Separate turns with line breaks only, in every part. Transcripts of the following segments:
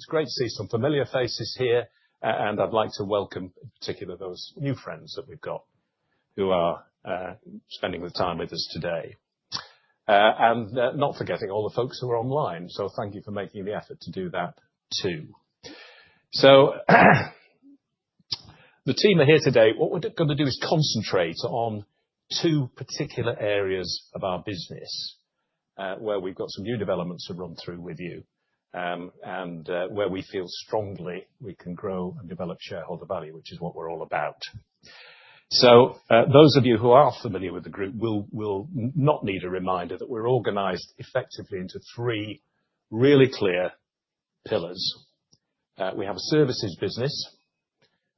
It's great to see some familiar faces here. I'd like to welcome, in particular, those new friends that we've got, who are spending the time with us today. Not forgetting all the folks who are online, so thank you for making the effort to do that, too. The team are here today. What we're gonna do is concentrate on two particular areas of our business, where we've got some new developments to run through with you, and where we feel strongly we can grow and develop shareholder value, which is what we're all about. Those of you who are familiar with the group will not need a reminder that we're organized effectively into three really clear pillars. We have a services business,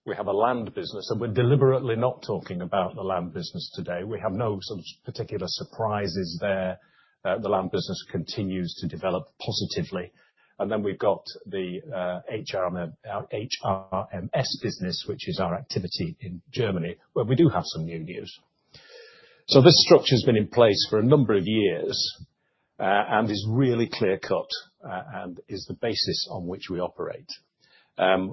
we have a land business, and we're deliberately not talking about the land business today. We have no sort of particular surprises there. The land business continues to develop positively. And then we've got the HRMS business, which is our activity in Germany, where we do have some new news. So this structure's been in place for a number of years, and is really clear-cut, and is the basis on which we operate.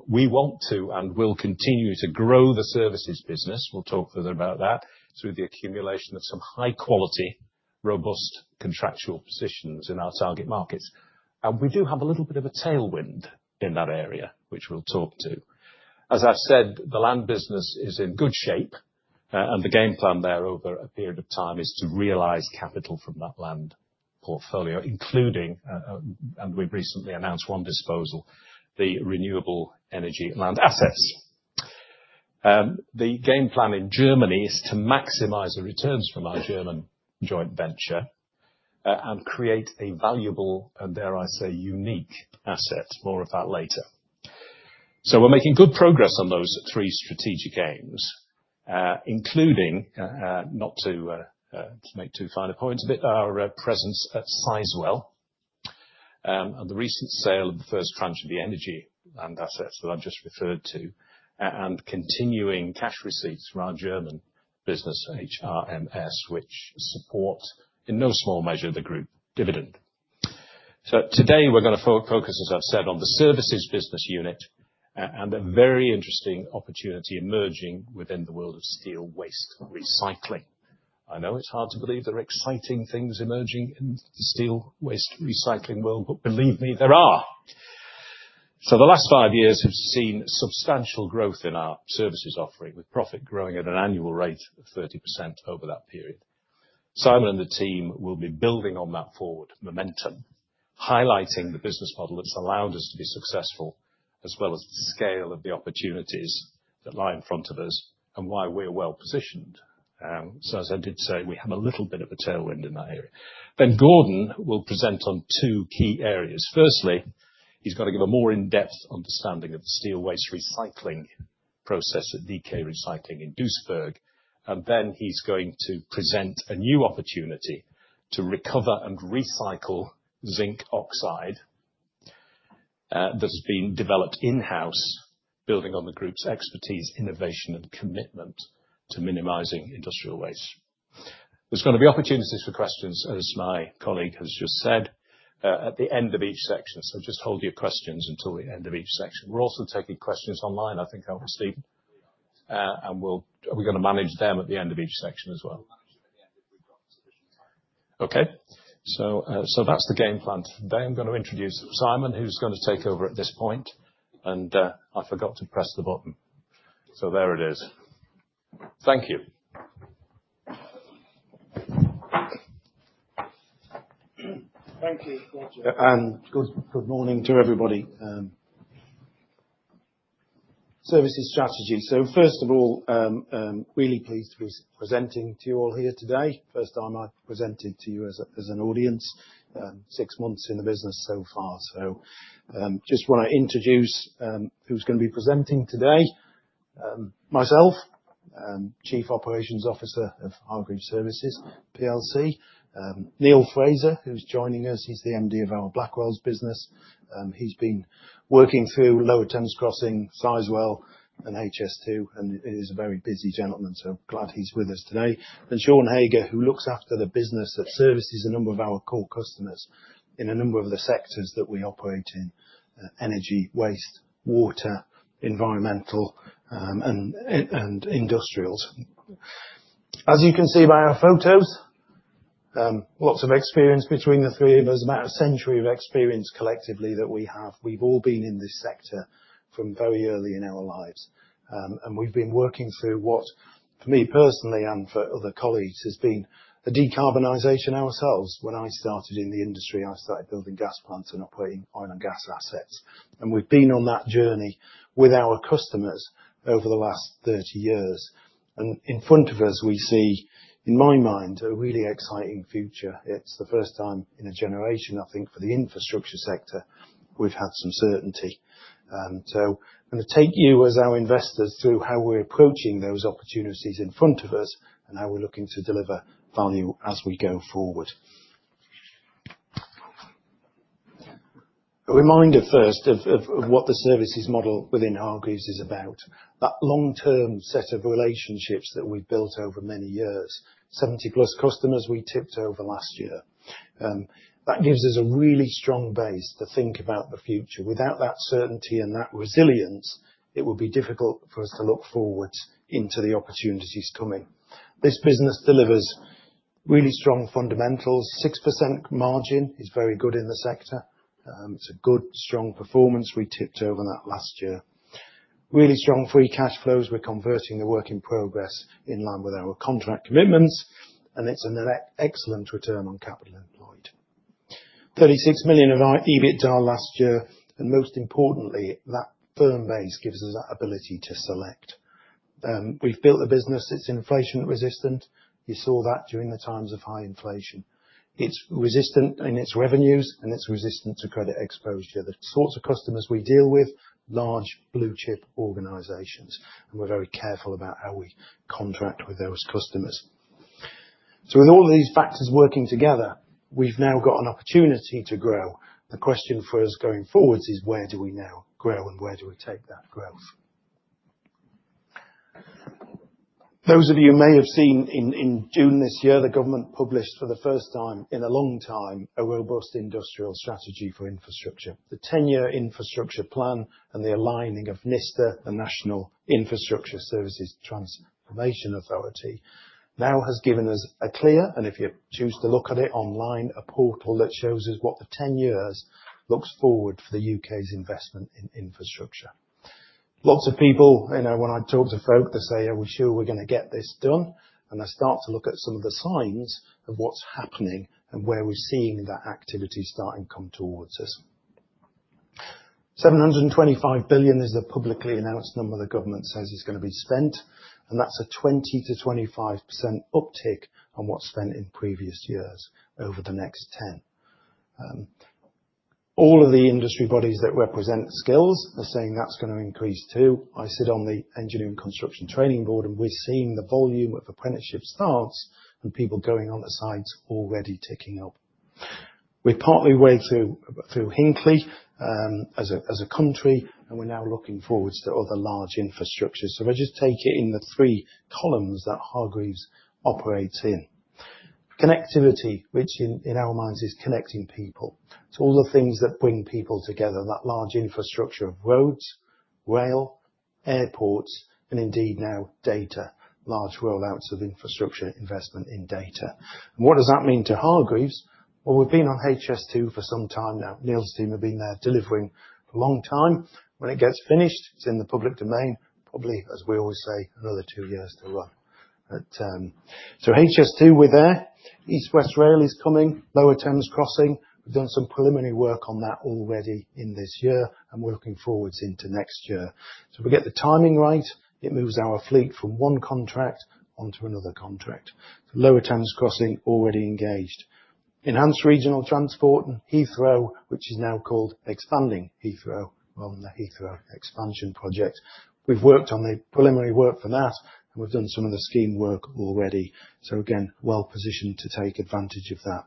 We want to and will continue to grow the services business, we'll talk a little about that, through the accumulation of some high quality, robust contractual positions in our target markets. And we do have a little bit of a tailwind in that area, which we'll talk to. As I've said, the land business is in good shape, and the game plan there over a period of time is to realize capital from that land portfolio, including, and we've recently announced one disposal, the renewable energy land assets. The game plan in Germany is to maximize the returns from our German joint venture, and create a valuable, and dare I say, unique asset. More of that later. So we're making good progress on those three strategic aims, including, not to, just make two final points of it, our presence at Sizewell, and the recent sale of the first tranche of the energy and assets that I've just referred to, and continuing cash receipts from our German business, HRMS, which support, in no small measure, the group dividend. Today, we're gonna focus, as I've said, on the services business unit, and a very interesting opportunity emerging within the world of steel waste recycling. I know it's hard to believe there are exciting things emerging in the steel waste recycling world, but believe me, there are. The last five years, we've seen substantial growth in our services offering, with profit growing at an annual rate of 30% over that period. Simon and the team will be building on that forward momentum, highlighting the business model that's allowed us to be successful, as well as the scale of the opportunities that lie in front of us, and why we're well positioned. As I did say, we have a little bit of a tailwind in that area. Gordon will present on two key areas. Firstly, he's gonna give a more in-depth understanding of the steel waste recycling process at DK Recycling in Duisburg, and then he's going to present a new opportunity to recover and recycle zinc oxide that's been developed in-house, building on the group's expertise, innovation, and commitment to minimizing industrial waste. There's gonna be opportunities for questions, as my colleague has just said, at the end of each section, so just hold your questions until the end of each section. We're also taking questions online, I think, obviously. Are we gonna manage them at the end of each section as well? We'll manage them at the end, if we've got sufficient time. Okay. So, so that's the game plan today. I'm gonna introduce Simon, who's gonna take over at this point, and, I forgot to press the button. So there it is. Thank you.
Thank you, Roger, and good, good morning to everybody. Services strategy. So first of all, really pleased to be presenting to you all here today. First time I've presented to you as a, as an audience, six months in the business so far. So, just want to introduce, who's gonna be presenting today. Myself, Chief Operations Officer of Hargreaves Services PLC. Neil Fraser, who's joining us, he's the MD of our Blackwells business. He's been working through Lower Thames Crossing, Sizewell, and HS2, and he's a very busy gentleman, so glad he's with us today. And Sean Hager, who looks after the business that services a number of our core customers in a number of the sectors that we operate in: energy, waste, water, environmental, and industrials. As you can see by our photos, lots of experience between the three of us. About a century of experience collectively that we have. We've all been in this sector from very early in our lives. And we've been working through what, for me, personally, and for other colleagues, has been a decarbonization ourselves. When I started in the industry, I started building gas plants and operating oil and gas assets, and we've been on that journey with our customers over the last 30 years. In front of us, we see, in my mind, a really exciting future. It's the first time in a generation, I think, for the infrastructure sector, we've had some certainty. So I'm gonna take you, as our investors, through how we're approaching those opportunities in front of us, and how we're looking to deliver value as we go forward. A reminder first of what the services model within Hargreaves is about. That long-term set of relationships that we've built over many years. 70-plus customers we tipped over last year. That gives us a really strong base to think about the future. Without that certainty and that resilience, it would be difficult for us to look forward into the opportunities coming. This business delivers really strong fundamentals. 6% margin is very good in the sector, it's a good, strong performance. We tipped over that last year. Really strong free cash flows. We're converting the work in progress in line with our contract commitments, and it's an excellent return on capital employed. 36 million of our EBITDA last year, and most importantly, that firm base gives us that ability to select. We've built the business, it's inflation-resistant. You saw that during the times of high inflation. It's resistant in its revenues, and it's resistant to credit exposure. The sorts of customers we deal with, large blue chip organizations, and we're very careful about how we contract with those customers. So with all these factors working together, we've now got an opportunity to grow. The question for us going forward is: where do we now grow, and where do we take that growth? Those of you may have seen in June this year, the government published, for the first time in a long time, a robust industrial strategy for infrastructure. The ten-year infrastructure plan and the aligning of NISTA, the National Infrastructure Service Transformation Authority, now has given us a clear, and if you choose to look at it online, a portal that shows us what the ten years looks forward for the UK's investment in infrastructure. Lots of people, you know, when I talk to folk, they say, "Are we sure we're gonna get this done?" I start to look at some of the signs of what's happening and where we're seeing that activity starting to come towards us. 725 billion is the publicly announced number the government says is gonna be spent, and that's a 20% to 25% uptick on what's spent in previous years over the next 10. All of the industry bodies that represent skills are saying that's gonna increase, too. I sit on the Engineering Construction Training Board, and we're seeing the volume of apprenticeship starts and people going on the sites already ticking up. We're partly way through Hinkley, as a country, and we're now looking forwards to other large infrastructures. So if I just take it in the three columns that Hargreaves operates in. Connectivity, which in, in our minds, is connecting people to all the things that bring people together, that large infrastructure of roads, rail, airports, and indeed now data, large rollouts of infrastructure investment in data. And what does that mean to Hargreaves? Well, we've been on HS2 for some time now. Neil's team have been there delivering for a long time. When it gets finished, it's in the public domain, probably, as we always say, another two years to run. But, so HS2, we're there. East West Rail is coming. Lower Thames Crossing, we've done some preliminary work on that already in this year, and we're looking forward into next year. So if we get the timing right, it moves our fleet from one contract onto another contract. Lower Thames Crossing, already engaged. Enhanced regional transport and Heathrow, which is now called Expanding Heathrow, on the Heathrow expansion project. We've worked on the preliminary work for that, and we've done some of the scheme work already. So again, well positioned to take advantage of that.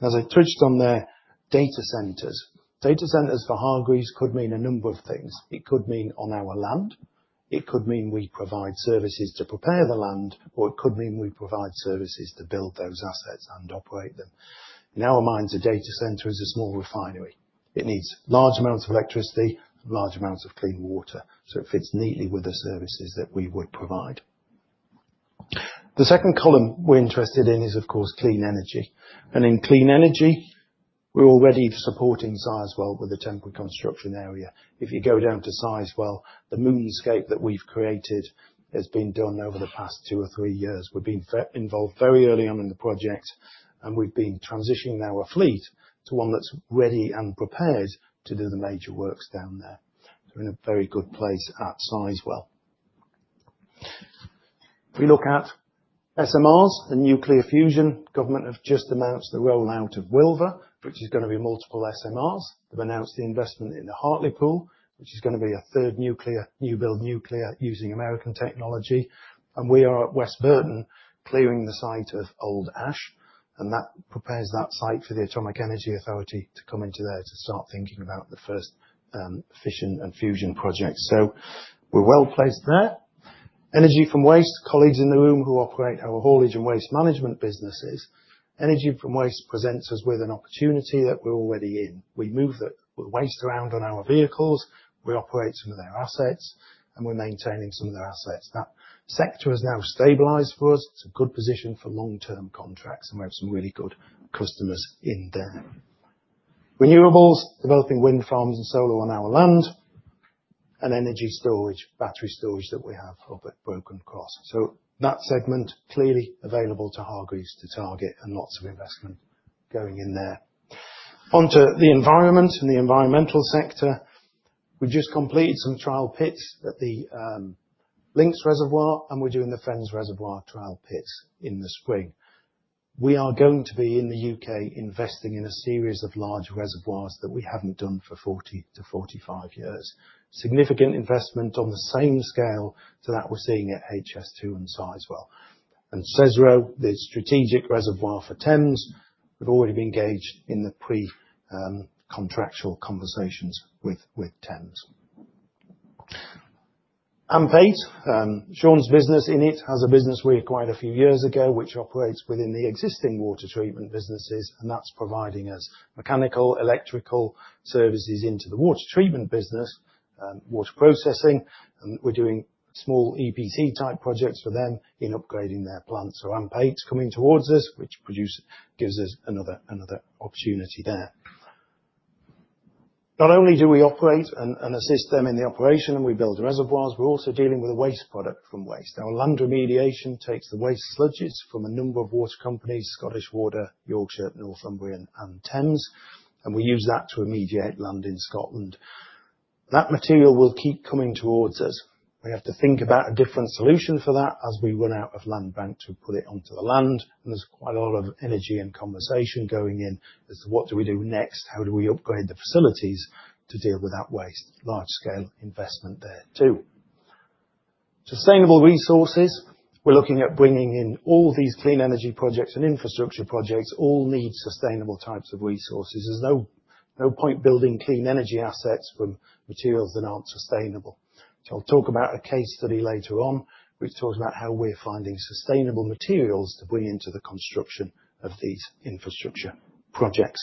As I touched on there, data centers. Data centers for Hargreaves could mean a number of things. It could mean on our land, it could mean we provide services to prepare the land, or it could mean we provide services to build those assets and operate them. In our minds, a data center is a small refinery. It needs large amounts of electricity and large amounts of clean water, so it fits neatly with the services that we would provide. The second column we're interested in is, of course, clean energy. And in clean energy, we're already supporting Sizewell with the temporary construction area. If you go down to Sizewell, the moonscape that we've created has been done over the past two or three years. We've been very involved very early on in the project, and we've been transitioning our fleet to one that's ready and prepared to do the major works down there. We're in a very good place at Sizewell. If we look at SMRs and nuclear fusion, government have just announced the rollout of Wylfa, which is gonna be multiple SMRs. They've announced the investment in the Hartlepool, which is gonna be a third nuclear, new build nuclear, using American technology. And we are at West Burton, clearing the site of old ash, and that prepares that site for the Atomic Energy Authority to come into there to start thinking about the first, fission and fusion project. So we're well placed there. Energy from waste, colleagues in the room who operate our haulage and waste management businesses, energy from waste presents us with an opportunity that we're already in. We move the waste around on our vehicles, we operate some of their assets, and we're maintaining some of their assets. That sector has now stabilized for us. It's a good position for long-term contracts, and we have some really good customers in there. Renewables, developing wind farms and solar on our land, and energy storage, battery storage that we have up at Broken Cross. So that segment, clearly available to Hargreaves to target and lots of investment going in there. Onto the environment and the environmental sector. We just completed some trial pits at the Lincolnshire Reservoir, and we're doing the Fens Reservoir trial pits in the spring. We are going to be, in the UK, investing in a series of large reservoirs that we haven't done for 40 to 45 years. Significant investment on the same scale to that we're seeing at HS2 and Sizewell. SESRO, the strategic reservoir for Thames, we've already been engaged in the pre-contractual conversations with Thames. AMP8, Sean's business in it, has a business we acquired a few years ago, which operates within the existing water treatment businesses, and that's providing us mechanical, electrical services into the water treatment business, water processing, and we're doing small EPC-type projects for them in upgrading their plants. AMP8's coming towards us, which gives us another opportunity there. Not only do we operate and assist them in the operation, and we build reservoirs, we're also dealing with a waste product from waste. Our land remediation takes the waste sludges from a number of water companies, Scottish Water, Yorkshire, Northumbrian, and Thames, and we use that to remediate land in Scotland. That material will keep coming towards us. We have to think about a different solution for that as we run out of land bank to put it onto the land, and there's quite a lot of energy and conversation going in as to what do we do next? How do we upgrade the facilities to deal with that waste? Large scale investment there, too. Sustainable resources. We're looking at bringing in all these clean energy projects and infrastructure projects, all need sustainable types of resources. There's no, no point building clean energy assets from materials that aren't sustainable. So I'll talk about a case study later on, which talks about how we're finding sustainable materials to bring into the construction of these infrastructure projects.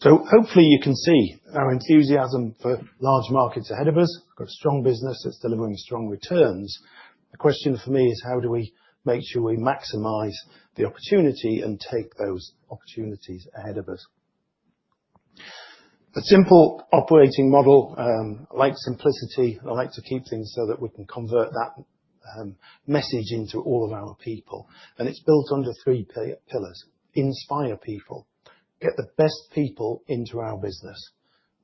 So hopefully, you can see our enthusiasm for large markets ahead of us. We've got a strong business that's delivering strong returns. The question for me is: How do we make sure we maximize the opportunity and take those opportunities ahead of us? A simple operating model. I like simplicity, and I like to keep things so that we can convert that message into all of our people, and it's built under three pillars: Inspire people. Get the best people into our business,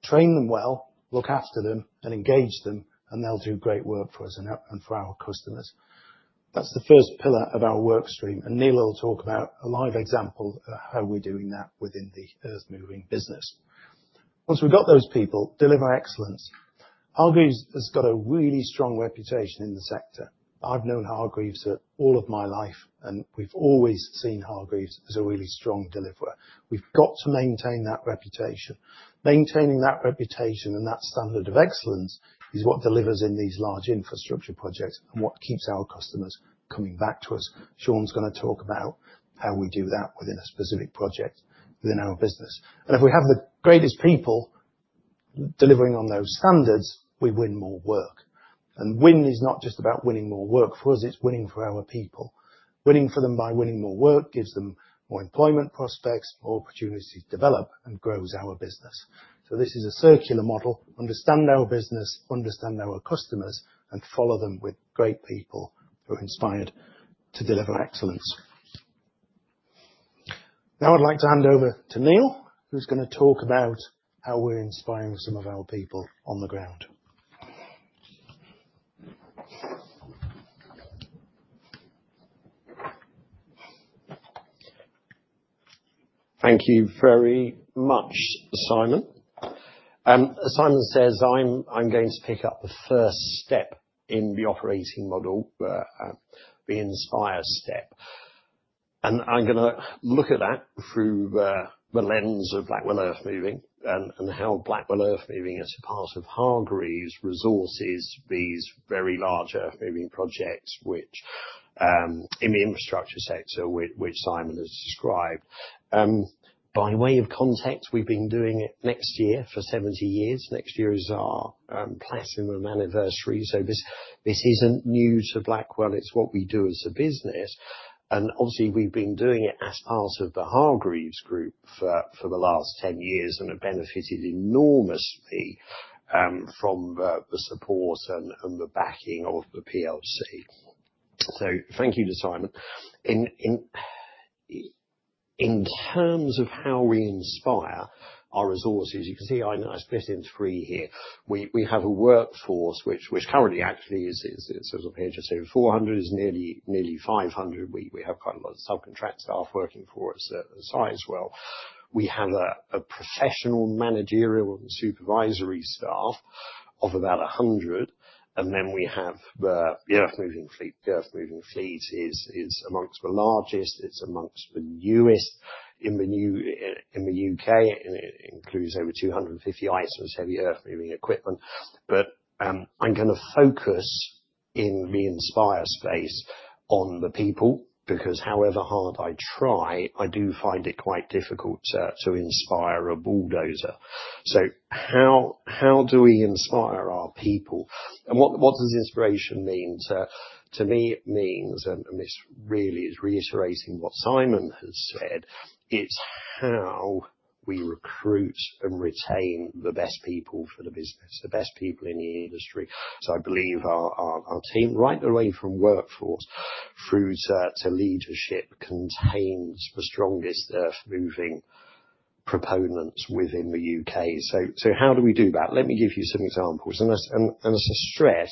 train them well, look after them, and engage them, and they'll do great work for us and for our customers. That's the first pillar of our workstream, and Neil will talk about a live example of how we're doing that within the earthmoving business. Once we've got those people, deliver excellence. Hargreaves has got a really strong reputation in the sector. I've known Hargreaves all of my life, and we've always seen Hargreaves as a really strong deliverer. We've got to maintain that reputation. Maintaining that reputation and that standard of excellence is what delivers in these large infrastructure projects, and what keeps our customers coming back to us. Sean's gonna talk about how we do that within a specific project within our business. And if we have the greatest people delivering on those standards, we win more work. And win is not just about winning more work, for us, it's winning for our people. Winning for them by winning more work, gives them more employment prospects, more opportunities to develop and grows our business. So this is a circular model: Understand our business, understand our customers, and follow them with great people who are inspired to deliver excellence. Now, I'd like to hand over to Neil, who's gonna talk about how we're inspiring some of our people on the ground.
Thank you very much, Simon. As Simon says, I'm going to pick up the first step in the operating model, the inspire step. I'm gonna look at that through the lens of Blackwell Earthmoving and how Blackwell Earthmoving, as a part of Hargreaves Services, these very large earthmoving projects, which in the infrastructure sector, which Simon has described. By way of context, we've been doing it next year for 70 years. Next year is our platinum anniversary, so this isn't new to Blackwell, it's what we do as a business. Obviously, we've been doing it as part of the Hargreaves Group for the last 10 years and have benefited enormously from the support and the backing of the PLC. So thank you to Simon. In terms of how we inspire our resources, you can see I split in three here. We have a workforce which currently actually is it's over 400, is nearly 500. We have quite a lot of subcontract staff working for us as well. We have a professional managerial and supervisory staff of about 100, and then we have the earthmoving fleet. The earthmoving fleet is amongst the largest, it's amongst the newest in the UK, and it includes over 250 items, heavy earthmoving equipment. But, I'm gonna focus in the inspire space on the people, because however hard I try, I do find it quite difficult to inspire a bulldozer. So how do we inspire our people? What does inspiration mean to me? It means, and this really is reiterating what Simon has said, it's how we recruit and retain the best people for the business, the best people in the industry. So I believe our team, right the way from workforce through to leadership, contains the strongest earthmoving proponents within the U.K. So how do we do that? Let me give you some examples, and as I stress,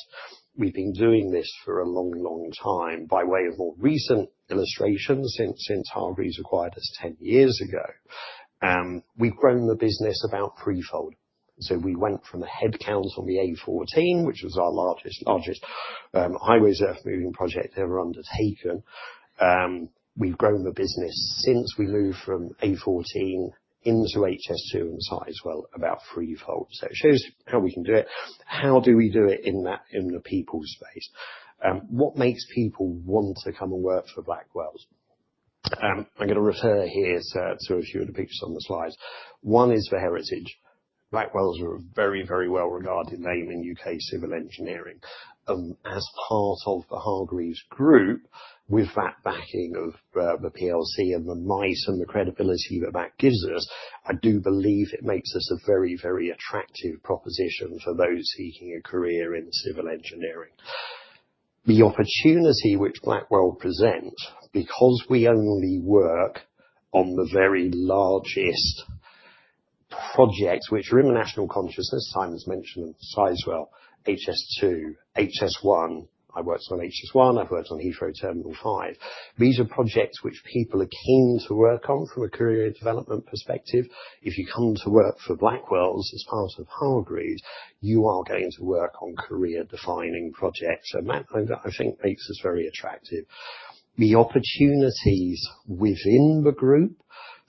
we've been doing this for a long, long time. By way of a recent illustration, since Hargreaves acquired us 10 years ago, we've grown the business about threefold. So we went from a headcount on the A14, which was our largest highways earthmoving project ever undertaken. We've grown the business since we moved from A14 into HS2 and Sizewell about threefold. So it shows how we can do it. How do we do it in that, in the people space? What makes people want to come and work for Blackwells? I'm gonna refer here, so, to a few of the pictures on the slides. One is for heritage. Blackwells are a very, very well-regarded name in U.K. civil engineering. As part of the Hargreaves group, with that backing of the PLC and the might and the credibility that that gives us, I do believe it makes us a very, very attractive proposition for those seeking a career in civil engineering. The opportunity which Blackwell present, because we only work on the very largest projects which are in the national consciousness, Simon's mentioned Sizewell, HS2, HS1. I worked on HS1, I've worked on Heathrow Terminal Five. These are projects which people are keen to work on from a career development perspective. If you come to work for Blackwells as part of Hargreaves, you are going to work on career-defining projects, and that, I think, makes us very attractive. The opportunities within the group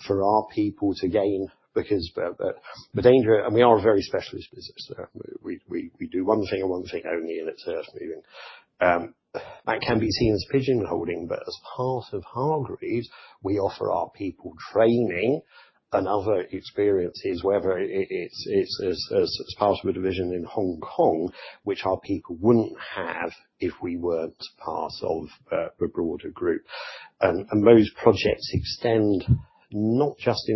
for our people to gain, because the danger and we are a very specialist business, so we do one thing and one thing only, and it's earthmoving. That can be seen as pigeonholing, but as part of Hargreaves, we offer our people training and other experiences, whether it's as part of a division in Hong Kong, which our people wouldn't have if we weren't part of the broader group. And those projects extend not just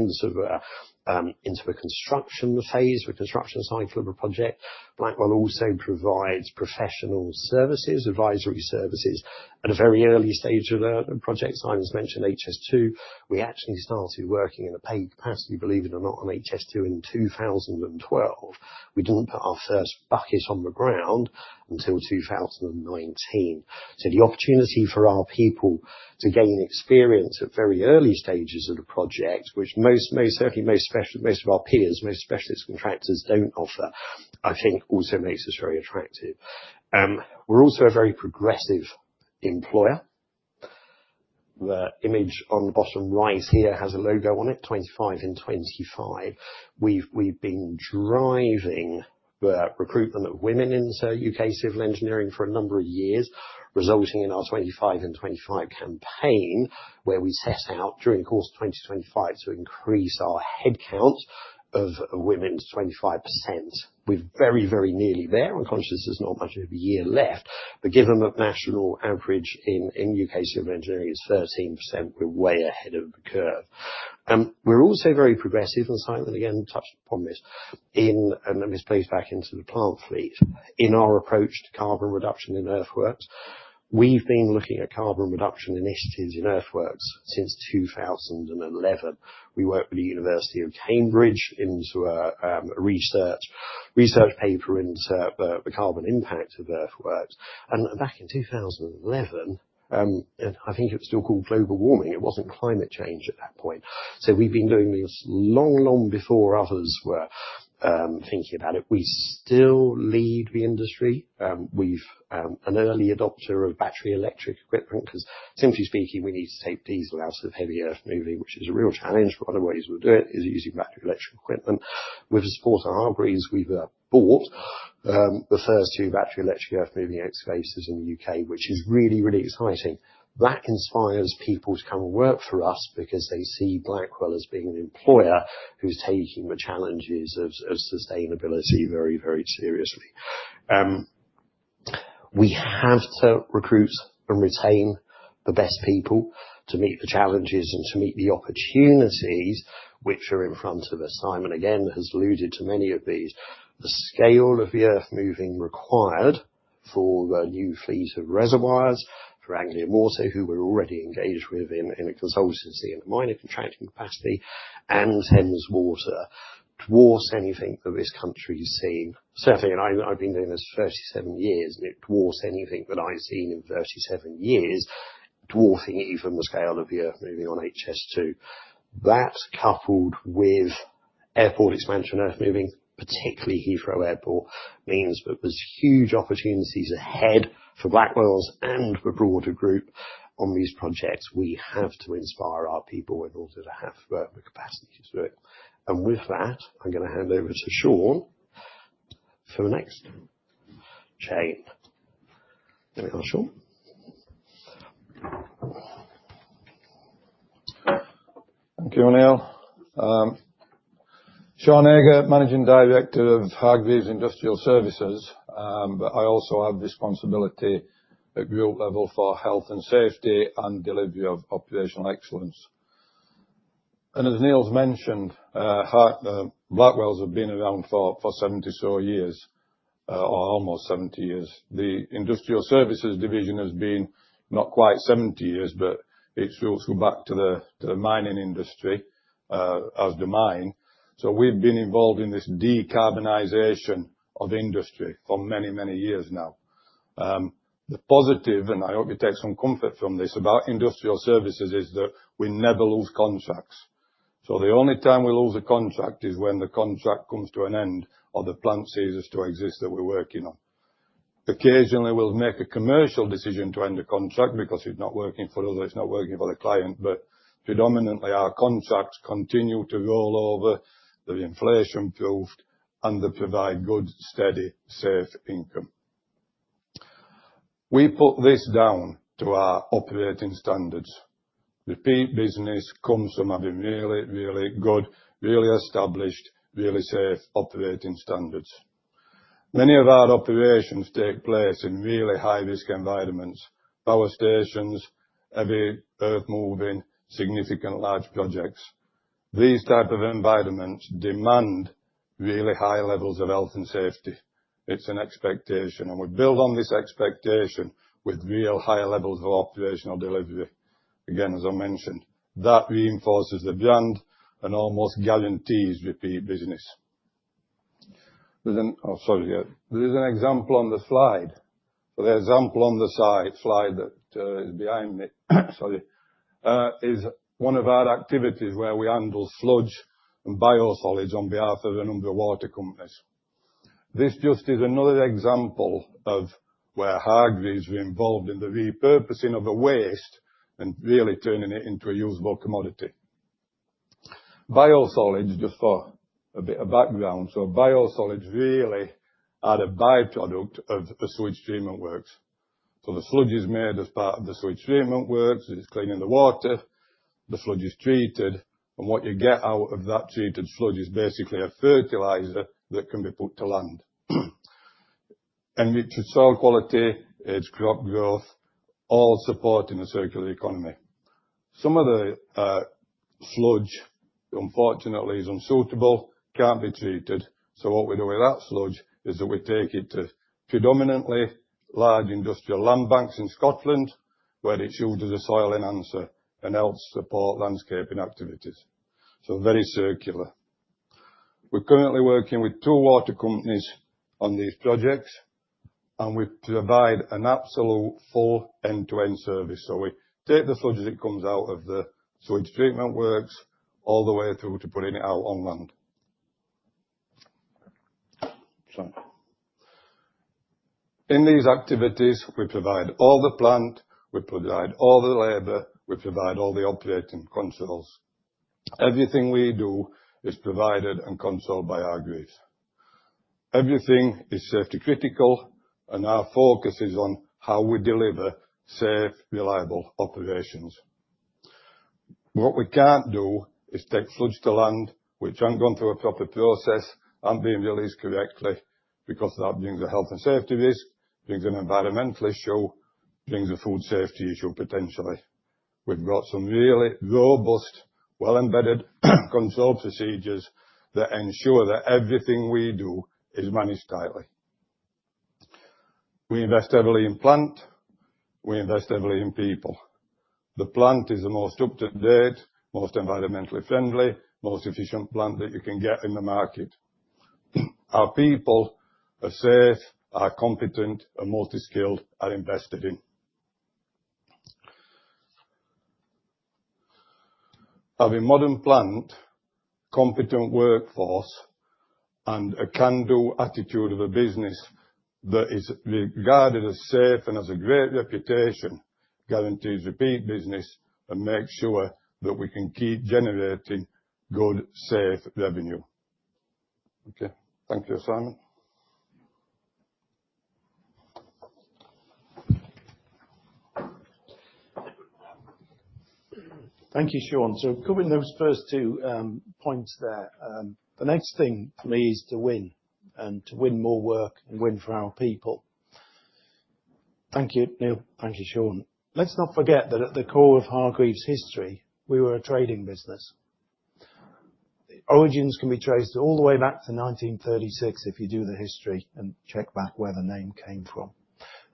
into the construction phase, the construction cycle of a project. Blackwell also provides professional services, advisory services, at a very early stage of the project. Simon's mentioned HS2. We actually started working in a paid capacity, believe it or not, on HS2 in 2012. We didn't put our first bucket on the ground until 2019. So the opportunity for our people to gain experience at very early stages of the project, which most certainly most of our peers, most specialist contractors don't offer, I think also makes us very attractive. We're also a very progressive employer. The image on the bottom right here has a logo on it, 25 in 25. We've been driving the recruitment of women in UK civil engineering for a number of years, resulting in our 25 in 25 campaign, where we set out during the course of 2025 to increase our headcount of women to 25%. We're very, very nearly there. I'm conscious there's not much of a year left, but given that national average in U.K. civil engineering is 13%, we're way ahead of the curve. We're also very progressive, and Simon, again, touched upon this, and this plays back into the plant fleet, in our approach to carbon reduction in earthworks. We've been looking at carbon reduction initiatives in earthworks since 2011. We worked with the University of Cambridge into a research paper into the carbon impact of earthworks. And back in 2011, and I think it was still called global warming, it wasn't climate change at that point. So we've been doing this long, long before others were thinking about it. We still lead the industry. We've an early adopter of battery electric equipment, 'cause simply speaking, we need to take diesel out of heavy earthmoving, which is a real challenge, but one of the ways we'll do it is using battery electric equipment. With the support of Hargreaves, we've bought the first 2 battery electric earthmoving excavators in the U.K., which is really, really exciting. That inspires people to come and work for us because they see Blackwell as being an employer who's taking the challenges of sustainability very, very seriously. We have to recruit and retain the best people to meet the challenges and to meet the opportunities which are in front of us. Simon, again, has alluded to many of these. The scale of the earthmoving required for the new fleet of reservoirs, for Anglian Water, who we're already engaged with in a consultancy and minor contracting capacity, and Thames Water, dwarfs anything that this country's seen. Certainly, and I've been doing this 37 years, and it dwarfs anything that I've seen in 37 years, dwarfing even the scale of the earthmoving on HS2. That, coupled with airport expansion, earthmoving, particularly Heathrow Airport, means that there's huge opportunities ahead for Blackwell's and the broader group on these projects. We have to inspire our people in order to have the capacity to do it. With that, I'm gonna hand over to Sean for the next chain. There you go, Sean.
Thank you, Neil. Sean Hager, Managing Director of Hargreaves Industrial Services, but I also have responsibility at group level for Health and Safety and delivery of operational excellence. And as Neil's mentioned, Blackwell's have been around for 74 years, or almost 70 years. The Industrial Services division has been not quite 70 years, but it goes back to the mining industry, as the mine. So we've been involved in this decarbonization of industry for many, many years now. The positive, and I hope you take some comfort from this, about Industrial Services, is that we never lose contracts. So the only time we lose a contract is when the contract comes to an end or the plant ceases to exist that we're working on. Occasionally, we'll make a commercial decision to end a contract because it's not working for us or it's not working for the client. But predominantly, our contracts continue to roll over, they're inflation-proofed, and they provide good, steady, safe income. We put this down to our operating standards. Repeat business comes from having really, really good, really established, really safe operating standards. Many of our operations take place in really high-risk environments: power stations, heavy earthmoving, significant large projects. These type of environments demand really high levels of health and safety. It's an expectation, and we build on this expectation with real high levels of operational delivery. Again, as I mentioned, that reinforces the brand and almost guarantees repeat business. There is an example on the slide. So the example on the side, slide that behind me, sorry, is one of our activities where we handle sludge and biosolids on behalf of a number of water companies. This just is another example of where Hargreaves is involved in the repurposing of a waste and really turning it into a usable commodity. Biosolids, just for a bit of background, biosolids really are a by-product of a sewage treatment works. The sludge is made as part of the sewage treatment works, it is cleaning the water, the sludge is treated, and what you get out of that treated sludge is basically a fertilizer that can be put to land. And it's soil quality, it's crop growth, all supporting the circular economy. Some of the sludge, unfortunately, is unsuitable, can't be treated, so what we do with that sludge is that we take it to predominantly large industrial land banks in Scotland, where it's used as a soil enhancer and helps support landscaping activities. So very circular. We're currently working with two water companies on these projects, and we provide an absolute full end-to-end service. So we take the sludge as it comes out of the sewage treatment works, all the way through to putting it out on land. So in these activities, we provide all the plant, we provide all the labor, we provide all the operating controls. Everything we do is provided and controlled by Hargreaves. Everything is safety critical, and our focus is on how we deliver safe, reliable operations. What we can't do is take sludge to land which hasn't gone through a proper process and being released correctly, because that brings a health and safety risk, brings an environmental issue, brings a food safety issue, potentially. We've got some really robust, well-embedded control procedures that ensure that everything we do is managed tightly. We invest heavily in plant, we invest heavily in people. The plant is the most up-to-date, most environmentally friendly, most efficient plant that you can get in the market. Our people are safe, are competent, are multi-skilled, are invested in. Having modern plant, competent workforce, and a can-do attitude of a business that is regarded as safe and has a great reputation, guarantees repeat business and makes sure that we can keep generating good, safe revenue. Okay. Thank you, Simon.
Thank you, Sean. So covering those first two points there, the next thing for me is to win, and to win more work and win for our people. Thank you, Neil. Thank you, Sean. Let's not forget that at the core of Hargreaves' history, we were a trading business. The origins can be traced all the way back to 1936, if you do the history and check back where the name came from.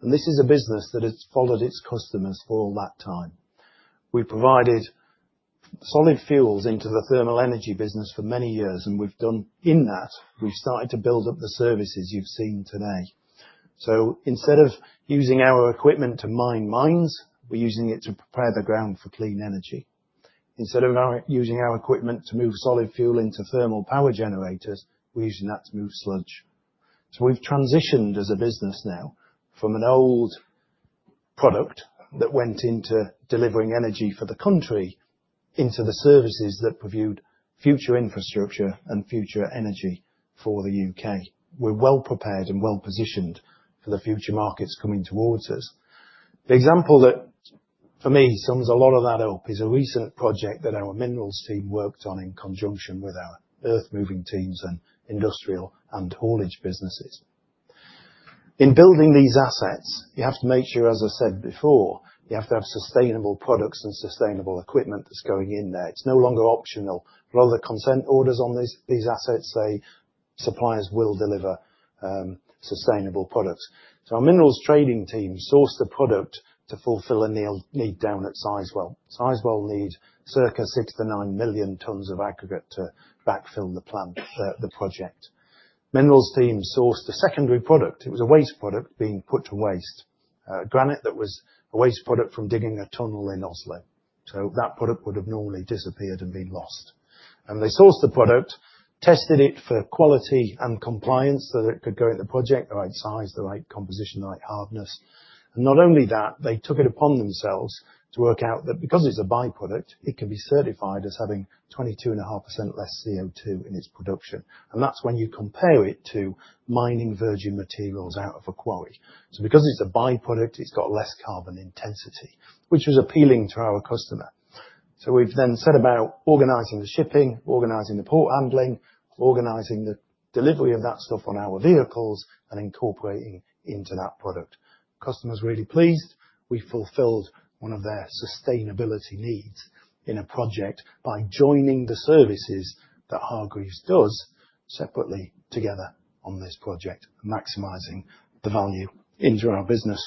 And this is a business that has followed its customers for all that time. We provided solid fuels into the thermal energy business for many years, and in that, we've started to build up the services you've seen today. So instead of using our equipment to mine mines, we're using it to prepare the ground for clean energy. Instead of using our equipment to move solid fuel into thermal power generators, we're using that to move sludge. So we've transitioned as a business now from an old product that went into delivering energy for the country, into the services that provide future infrastructure and future energy for the U.K. We're well prepared and well-positioned for the future markets coming towards us. The example that, for me, sums a lot of that up is a recent project that our minerals team worked on in conjunction with our earthmoving teams and industrial and haulage businesses. In building these assets, you have to make sure, as I said before, you have to have sustainable products and sustainable equipment that's going in there. It's no longer optional. A lot of the consent orders on these assets say suppliers will deliver sustainable products. So our minerals trading team sourced the product to fulfill a need down at Sizewell. Sizewell need circa 6 to 9 million tons of aggregate to backfill the plant, the project. Minerals team sourced a secondary product. It was a waste product being put to waste, granite that was a waste product from digging a tunnel in Oslo. So that product would have normally disappeared and been lost. And they sourced the product, tested it for quality and compliance so that it could go in the project, the right size, the right composition, the right hardness. And not only that, they took it upon themselves to work out that because it's a by-product, it can be certified as having 22.5% less CO2 in its production. And that's when you compare it to mining virgin materials out of a quarry. So because it's a by-product, it's got less carbon intensity, which was appealing to our customer. We've then set about organizing the shipping, organizing the port handling, organizing the delivery of that stuff on our vehicles, and incorporating into that product. Customer's really pleased. We fulfilled one of their sustainability needs in a project by joining the services that Hargreaves does separately together on this project, maximizing the value into our business.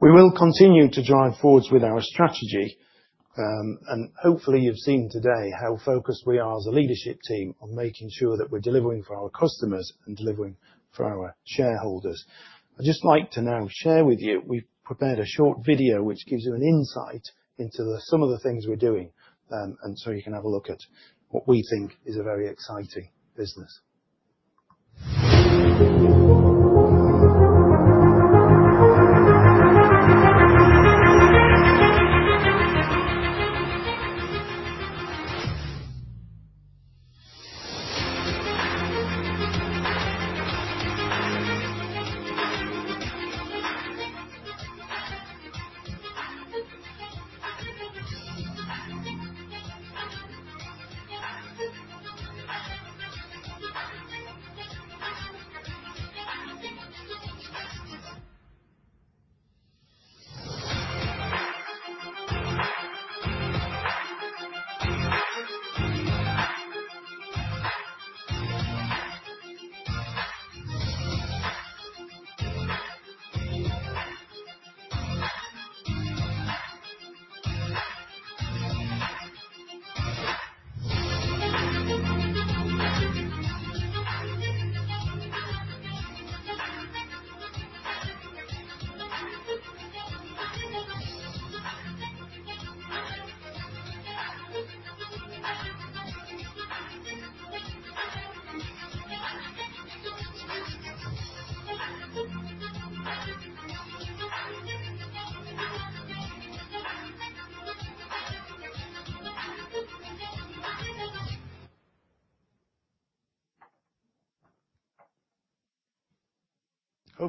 We will continue to drive forwards with our strategy, and hopefully you've seen today how focused we are as a leadership team on making sure that we're delivering for our customers and delivering for our shareholders. I'd just like to now share with you. We've prepared a short video which gives you an insight into some of the things we're doing, and so you can have a look at what we think is a very exciting business.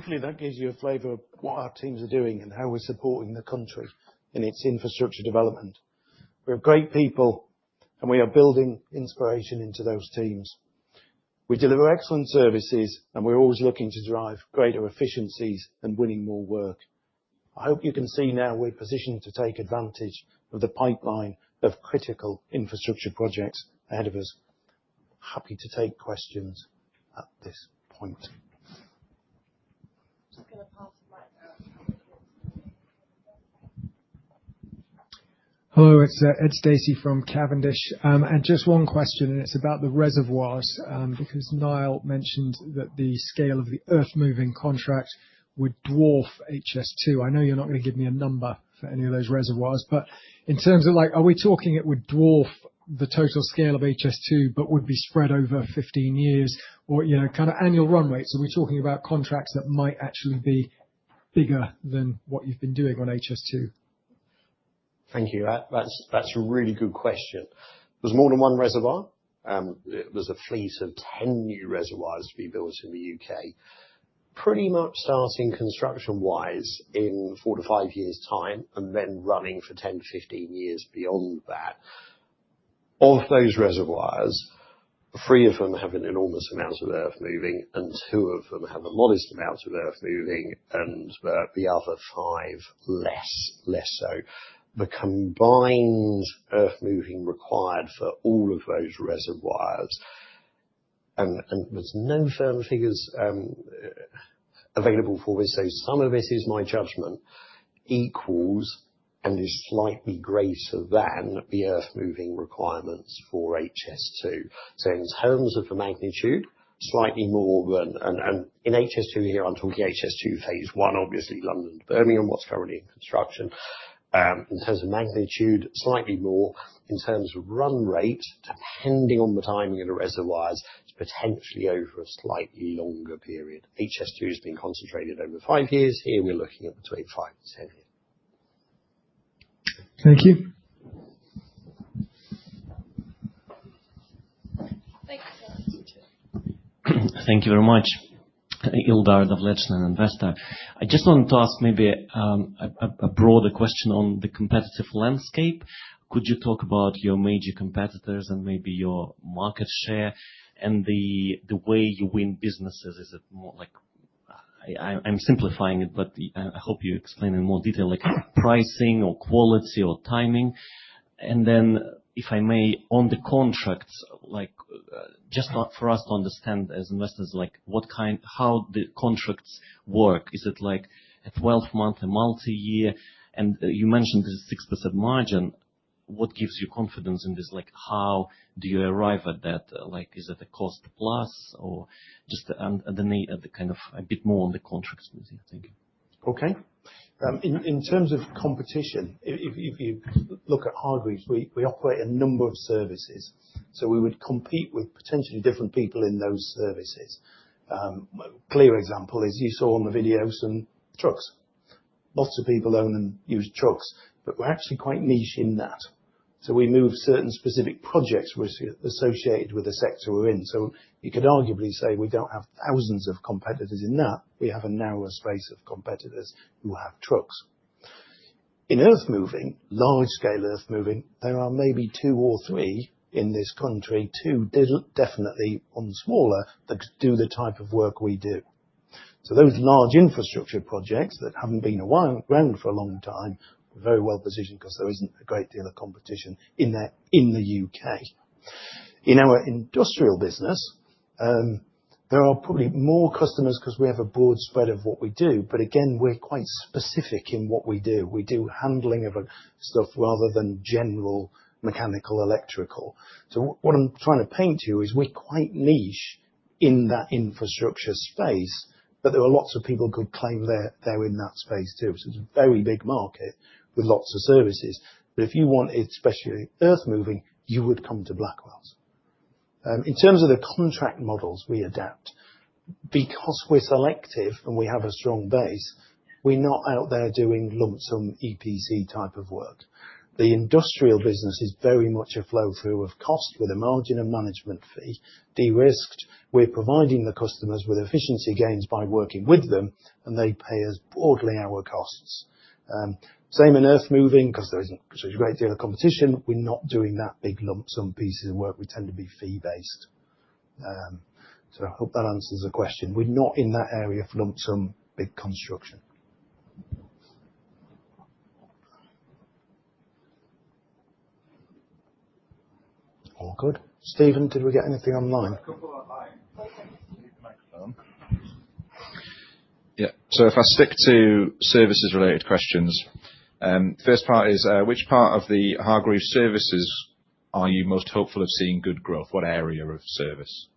Hopefully, that gives you a flavor of what our teams are doing and how we're supporting the country in its infrastructure development. We have great people, and we are building inspiration into those teams. We deliver excellent services, and we're always looking to drive greater efficiencies and winning more work. I hope you can see now we're positioned to take advantage of the pipeline of critical infrastructure projects ahead of us. Happy to take questions at this point.
Just gonna pass the mic around.
Hello, it's Ed Stacey from Cavendish. And just one question, and it's about the reservoirs, because Neil mentioned that the scale of the earthmoving contract would dwarf HS2. I know you're not going to give me a number for any of those reservoirs, but in terms of like, are we talking it would dwarf the total scale of HS2, but would be spread over 15 years or, you know, kind of annual run rates? Are we talking about contracts that might actually be bigger than what you've been doing on HS2?
Thank you. That's a really good question. There's more than one reservoir. There's a fleet of 10 new reservoirs to be built in the U.K. Pretty much starting construction-wise in four to five years' time, and then running for 10 to 15 years beyond that. Of those reservoirs, three of them have an enormous amount of earthmoving, and two of them have a modest amount of earthmoving, and the other five, less so. The combined earthmoving required for all of those reservoirs, and there's no firm figures available for this, so some of it is my judgment, equals and is slightly greater than the earthmoving requirements for HS2. So in terms of the magnitude, slightly more than and in HS2 here, I'm talking HS2 Phase One, obviously, London to Birmingham, what's currently in construction. In terms of magnitude, slightly more. In terms of run rate, depending on the timing of the reservoirs, it's potentially over a slightly longer period. HS2 has been concentrated over five years. Here, we're looking at between five and 10 years.
Thank you.
Thank you very much. Ildar Davletshin, investor. I just wanted to ask maybe a broader question on the competitive landscape. Could you talk about your major competitors and maybe your market share and the way you win businesses? Is it more like, I'm simplifying it, but I hope you explain in more detail, like pricing or quality or timing. And then, if I may, on the contracts, like just for us to understand as investors, like what kind, how the contracts work? Is it like a 12-month, multi-year? And you mentioned the 6% margin, what gives you confidence in this? Like, how do you arrive at that? Like, is it a cost plus, or just the kind of a bit more on the contracts please, thank you.
Okay. In terms of competition, if you look at Hargreaves, we operate a number of services, so we would compete with potentially different people in those services. Clear example, as you saw on the videos, trucks. Lots of people own and use trucks, but we're actually quite niche in that. So we move certain specific projects which are associated with the sector we're in. So you could arguably say we don't have thousands of competitors in that, we have a narrower space of competitors who have trucks. In earthmoving, large-scale earthmoving, there are maybe two or three in this country, two definitely on smaller, that do the type of work we do. So those large infrastructure projects that haven't been around for a long time, we're very well positioned, 'cause there isn't a great deal of competition in that in the U.K. In our industrial business, there are probably more customers, 'cause we have a broad spread of what we do, but again, we're quite specific in what we do. We do handling of stuff rather than general mechanical, electrical. So what I'm trying to paint you is, we're quite niche in that infrastructure space, but there are lots of people who could claim they're, they're in that space, too. So it's a very big market with lots of services. But if you want it, especially earthmoving, you would come to Blackwell's. In terms of the contract models we adapt, because we're selective and we have a strong base, we're not out there doing lump sum EPC type of work. The industrial business is very much a flow through of cost with a margin and management fee, de-risked. We're providing the customers with efficiency gains by working with them, and they pay us broadly our costs. Same in earthmoving, 'cause there isn't a great deal of competition. We're not doing that big lump sum pieces of work. We tend to be fee-based. So I hope that answers the question. We're not in that area of lump sum, big construction.
All good. Stephen, did we get anything online?
Yeah. So if I stick to services related questions, first part is, which part of the Hargreaves services are you most hopeful of seeing good growth? What area of service?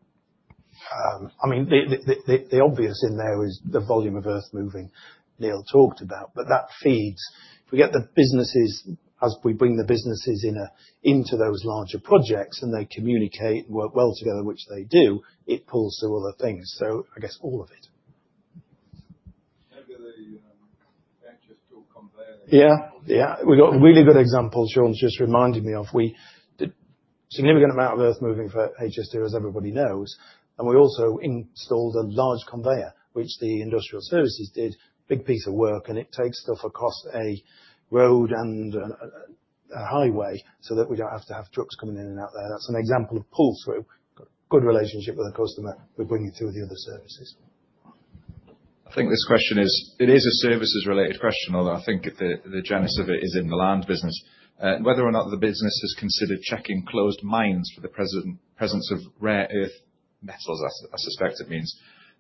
I mean, the obvious in there is the volume of earthmoving Neil talked about, but that feeds. If we get the businesses, as we bring the businesses into those larger projects, and they communicate, work well together, which they do, it pulls through other things. So I guess all of it. Yeah. We've got really good examples Sean's just reminded me of. We did significant amount of earthmoving for HS2, as everybody knows, and we also installed a large conveyor, which the industrial services did, big piece of work, and it takes stuff across a road and a highway, so that we don't have to have trucks coming in and out there. That's an example of pull-through. Good relationship with the customer, we bring you through the other services. I think this question is a services-related question, although I think the genesis of it is in the land business. Whether or not the business has considered checking closed mines for the presence of rare earth metals, I suspect it means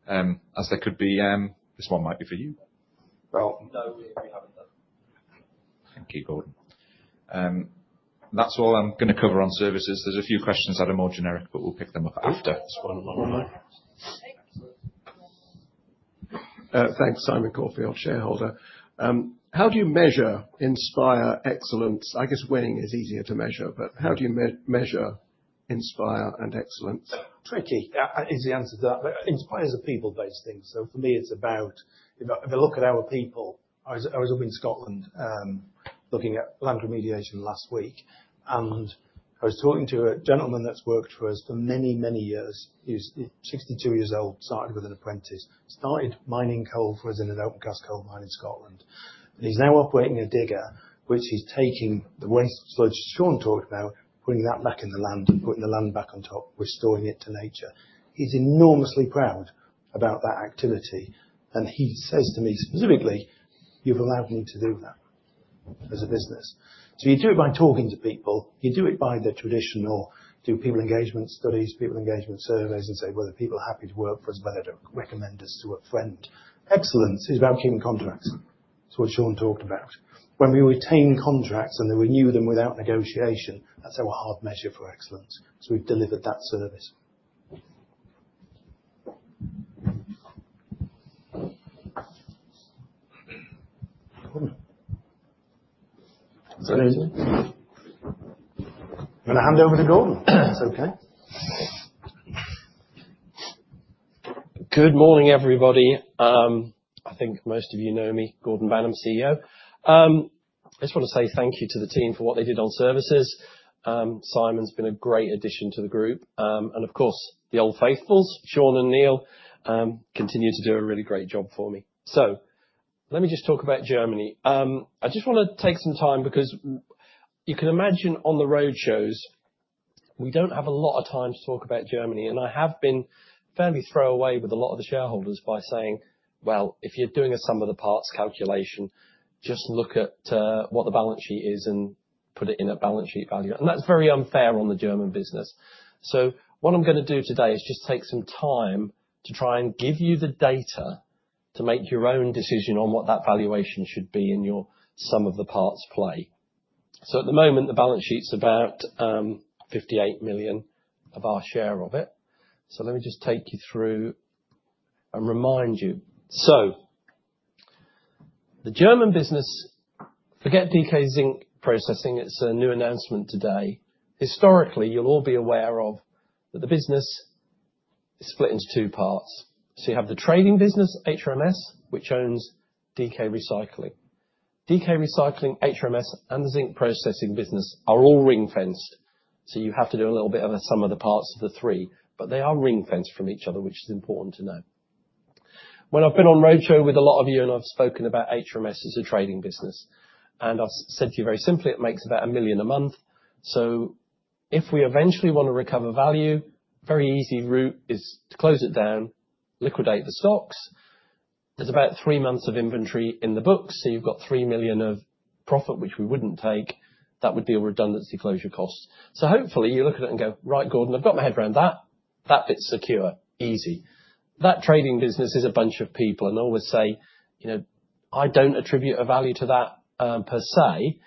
as there could be this one might be for you.
No, we haven't done.
Thank you, Gordon. That's all I'm gonna cover on services. There's a few questions that are more generic, but we'll pick them up after.
One more, am I?
Absolutely.
Thanks. Simon Corfield, shareholder. How do you measure inspire, excellence? I guess winning is easier to measure, but how do you measure inspire, and excellence?
Tricky is the answer to that. But inspire is a people-based thing, so for me, if I look at our people, I was up in Scotland looking at land remediation last week, and I was talking to a gentleman that's worked for us for many, many years. He's 62 years old, started with an apprentice. Started mining coal for us in an open cast coal mine in Scotland. He's now operating a digger, which is taking the waste sludge Sean talked about, putting that back in the land and putting the land back on top, restoring it to nature. He's enormously proud about that activity, and he says to me, specifically, "You've allowed me to do that as a business." So you do it by talking to people. You do it by the traditional people engagement studies, people engagement surveys, and say whether people are happy to work for us, whether they'd recommend us to a friend. Excellence is about keeping contracts. It's what Sean talked about. When we retain contracts and they renew them without negotiation, that's our hard measure for excellence. So we've delivered that service. Gordon. Is that easy? I'm gonna hand over to Gordon, if that's okay.
Good morning, everybody. I think most of you know me, Gordon Banham, CEO. I just wanna say thank you to the team for what they did on services. Simon's been a great addition to the group. And of course, the old faithfuls, Sean and Neil, continue to do a really great job for me. So let me just talk about Germany. I just wanna take some time because you can imagine on the roadshows, we don't have a lot of time to talk about Germany, and I have been fairly throw away with a lot of the shareholders by saying, "Well, if you're doing a sum of the parts calculation, just look at what the balance sheet is and put it in a balance sheet value." And that's very unfair on the German business. So what I'm gonna do today is just take some time to try and give you the data to make your own decision on what that valuation should be in your sum of the parts play. So at the moment, the balance sheet's about 58 million of our share of it. So let me just take you through and remind you. So the German business, forget DK Zinc Processing, it's a new announcement today. Historically, you'll all be aware of, that the business is split into two parts. So you have the trading business, HRMS, which owns DK Recycling. DK Recycling, HRMS, and the zinc processing business are all ring-fenced, so you have to do a little bit of a sum of the parts of the three, but they are ring-fenced from each other, which is important to know. When I've been on roadshow with a lot of you, and I've spoken about HRMS as a trading business, and I've said to you very simply, it makes about 1 million a month. So if we eventually wanna recover value, very easy route is to close it down, liquidate the stocks. There's about three months of inventory in the books, so you've got 3 million of profit, which we wouldn't take. That would be a redundancy closure cost. So hopefully, you look at it and go, "Right, Gordon, I've got my head around that. That bit's secure, easy." That trading business is a bunch of people, and I always say, you know, I don't attribute a value to that, per se,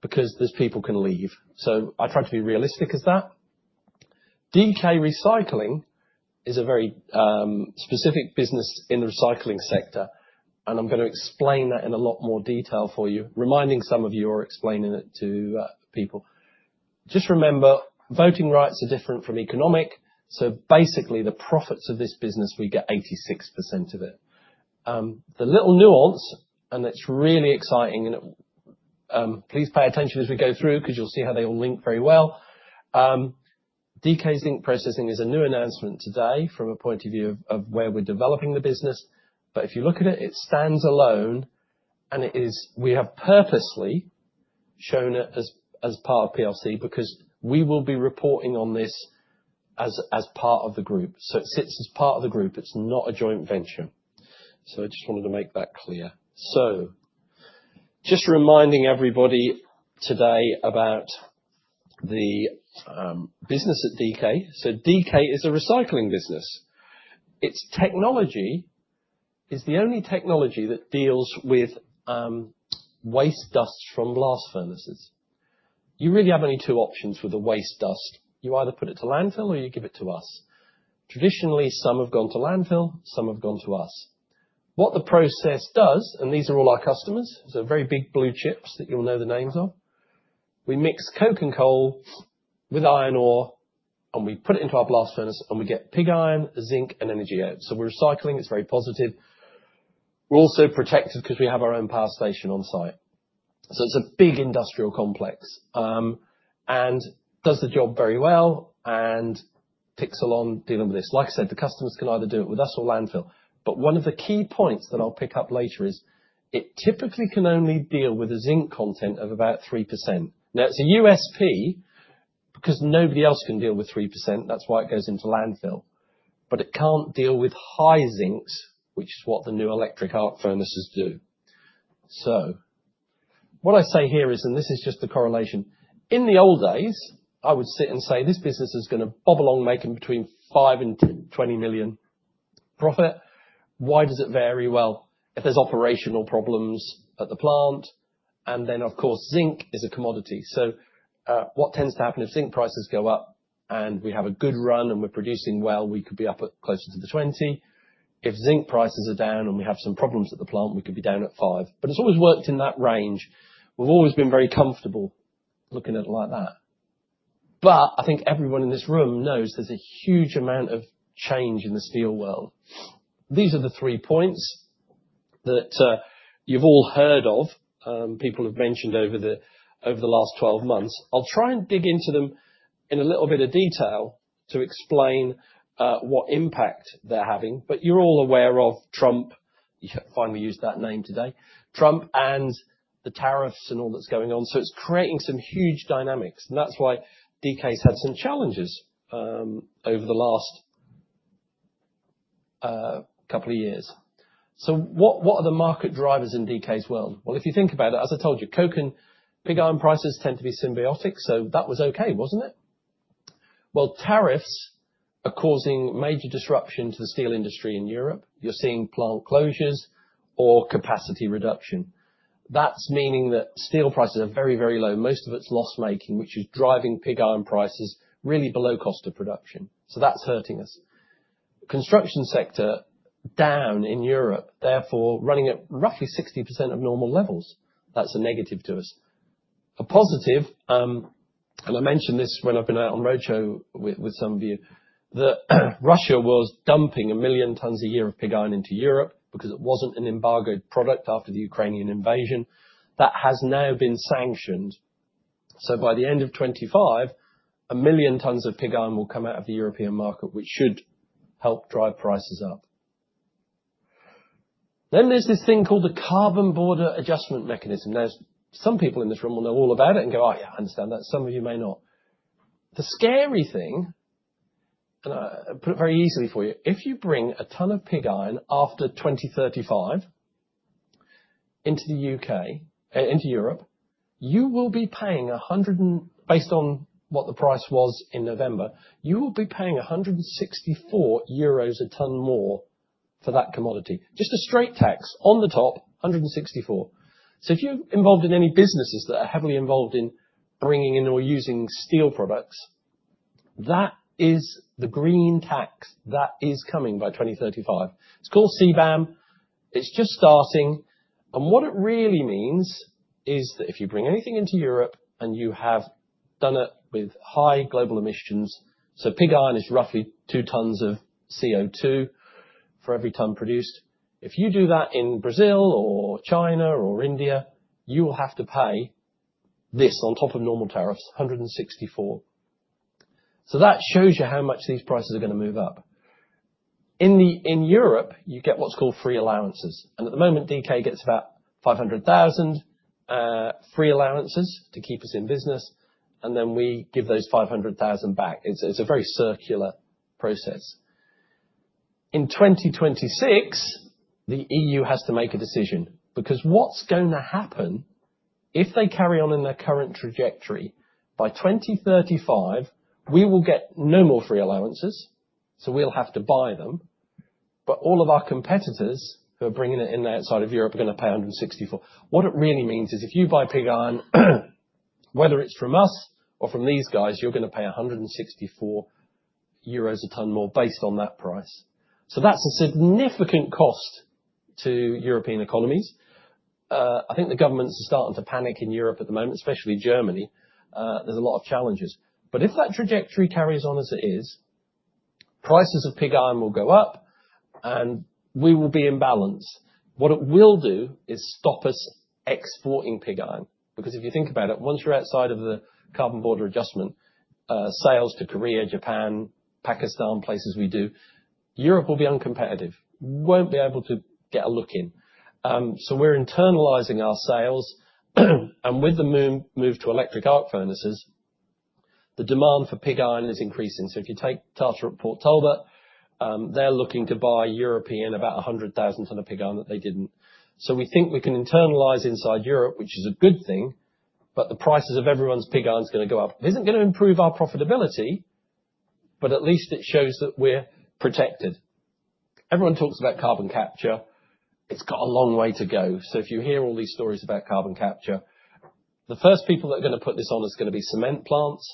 because those people can leave. So I try to be realistic as that. DK Recycling is a very specific business in the recycling sector, and I'm gonna explain that in a lot more detail for you, reminding some of you or explaining it to people. Just remember, voting rights are different from economic, so basically, the profits of this business, we get 86% of it. The little nuance, and it's really exciting, and it. Please pay attention as we go through, 'cause you'll see how they all link very well. DK Zinc Processing is a new announcement today from a point of view of where we're developing the business, but if you look at it, it stands alone, and it is, we have purposely shown it as part of PLC, because we will be reporting on this as part of the group. So it sits as part of the group. It's not a joint venture. So I just wanted to make that clear. So just reminding everybody today about the business at DK. So DK is a recycling business. Its technology is the only technology that deals with waste dust from glass furnaces. You really have only two options with the waste dust. You either put it to landfill, or you give it to us. Traditionally, some have gone to landfill, some have gone to us. What the process does, and these are all our customers, so very big blue chips that you'll know the names of, we mix coke and coal with iron ore, and we put it into our blast furnace, and we get pig iron, zinc, and energy out. So we're recycling, it's very positive. We're also protected because we have our own power station on site. So it's a big industrial complex, and does the job very well, and ticks along dealing with this. Like I said, the customers can either do it with us or landfill, but one of the key points that I'll pick up later is, it typically can only deal with a zinc content of about 3%. Now, it's a USP, because nobody else can deal with 3%, that's why it goes into landfill, but it can't deal with high zincs, which is what the new electric arc furnaces do. So what I say here is, and this is just a correlation, in the old days, I would sit and say, "This business is gonna bob along, making between 5 million and 20 million profit." Why does it vary? Well, if there's operational problems at the plant, and then, of course, zinc is a commodity. So, what tends to happen if zinc prices go up, and we have a good run and we're producing well, we could be up at closer to 20. If zinc prices are down, and we have some problems at the plant, we could be down at 5. But it's always worked in that range. We've always been very comfortable looking at it like that. But I think everyone in this room knows there's a huge amount of change in the steel world. These are the three points that you've all heard of, people have mentioned over the last 12 months. I'll try and dig into them in a little bit of detail to explain what impact they're having, but you're all aware of Trump. Finally used that name today. Trump and the tariffs and all that's going on, so it's creating some huge dynamics, and that's why DK's had some challenges over the last couple of years. So what are the market drivers in DK's world? Well, if you think about it, as I told you, coke and pig iron prices tend to be symbiotic, so that was okay, wasn't it? Well, tariffs are causing major disruption to the steel industry in Europe. You're seeing plant closures or capacity reduction. That's meaning that steel prices are very, very low. Most of it's loss-making, which is driving pig iron prices really below cost of production. So that's hurting us. Construction sector, down in Europe, therefore, running at roughly 60% of normal levels. That's a negative to us. A positive, and I mentioned this when I've been out on roadshow with, with some of you, that Russia was dumping 1 million tons a year of pig iron into Europe because it wasn't an embargoed product after the Ukrainian invasion. That has now been sanctioned, so by the end of 2025, 1 million tons of pig iron will come out of the European market, which should help drive prices up. Then there's this thing called the Carbon Border Adjustment Mechanism. Now, some people in this room will know all about it and go, "Oh, yeah, I understand that." Some of you may not. The scary thing, and I'll put it very easily for you, if you bring a ton of pig iron after 2035 into the U.K., into Europe, you will be paying 100 based on what the price was in November, you will be paying 164 euros a ton more for that commodity. Just a straight tax on the top, 164. So if you're involved in any businesses that are heavily involved in bringing in or using steel products, that is the green tax that is coming by 2035. It's called CBAM. It's just starting, and what it really means is that if you bring anything into Europe and you have done it with high global emissions, so pig iron is roughly 2 tons of CO2 for every ton produced. If you do that in Brazil or China or India, you will have to pay this on top of normal tariffs, 164. So that shows you how much these prices are going to move up. In the, in Europe, you get what's called free allowances, and at the moment, DK gets about 500,000 free allowances to keep us in business, and then we give those 500,000 back. It's, it's a very circular process. In 2026, the EU has to make a decision, because what's going to happen if they carry on in their current trajectory, by 2035, we will get no more free allowances, so we'll have to buy them, but all of our competitors who are bringing it in outside of Europe are going to pay 164. What it really means is if you buy pig iron, whether it's from us or from these guys, you're going to pay 164 euros a ton more based on that price. So that's a significant cost to European economies. I think the governments are starting to panic in Europe at the moment, especially Germany. There's a lot of challenges. But if that trajectory carries on as it is, prices of pig iron will go up, and we will be in balance. What it will do is stop us exporting pig iron, because if you think about it, once you're outside of the carbon border adjustment, sales to Korea, Japan, Pakistan, places we do, Europe will be uncompetitive. Won't be able to get a look in. So we're internalizing our sales, and with the move to electric arc furnaces, the demand for pig iron is increasing. So if you take Tata at Port Talbot, they're looking to buy European, about 100,000 tons of pig iron that they didn't. So we think we can internalize inside Europe, which is a good thing, but the prices of everyone's pig iron is going to go up. It isn't going to improve our profitability, but at least it shows that we're protected. Everyone talks about carbon capture. It's got a long way to go. So if you hear all these stories about carbon capture, the first people that are going to put this on is going to be cement plants.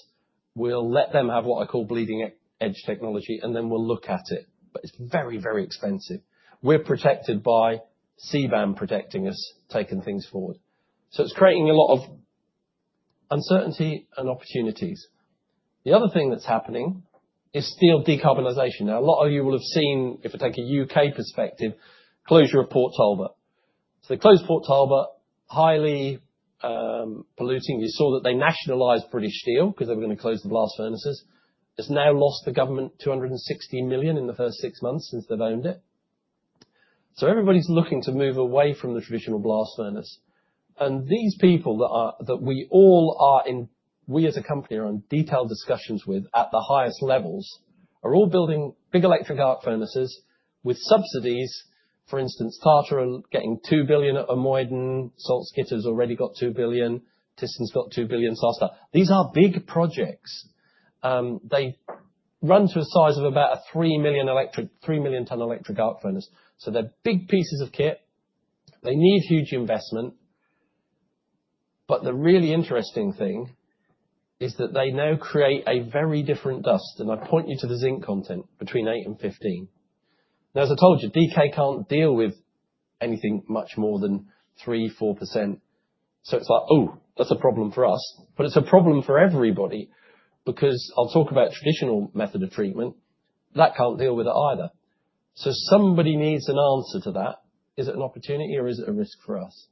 We'll let them have what I call bleeding edge technology, and then we'll look at it, but it's very, very expensive. We're protected by CBAM protecting us, taking things forward. So it's creating a lot of uncertainty and opportunities. The other thing that's happening is steel decarbonization. Now, a lot of you will have seen, if I take a UK perspective, closure of Port Talbot. So they closed Port Talbot, highly polluting. You saw that they nationalized British Steel because they were going to close the blast furnaces. It's now lost the government 260 million in the first six months since they've owned it. So everybody's looking to move away from the traditional blast furnace. And these people that are that we all are in, we as a company, are in detailed discussions with, at the highest levels, are all building big electric arc furnaces with subsidies. For instance, Tata are getting 2 billion at IJmuiden. Salzgitter's already got 2 billion. Thyssen's got 2 billion, so on and so on. These are big projects. They run to a size of about a 3 million-ton electric arc furnace. So they're big pieces of kit. They need huge investment. But the really interesting thing is that they now create a very different dust, and I point you to the zinc content between 8 and 15. Now, as I told you, DK can't deal with anything much more than 3, 4%. So it's like, oh, that's a problem for us, but it's a problem for everybody because I'll talk about traditional method of treatment. That can't deal with it either. So somebody needs an answer to that. Is it an opportunity or is it a risk for us?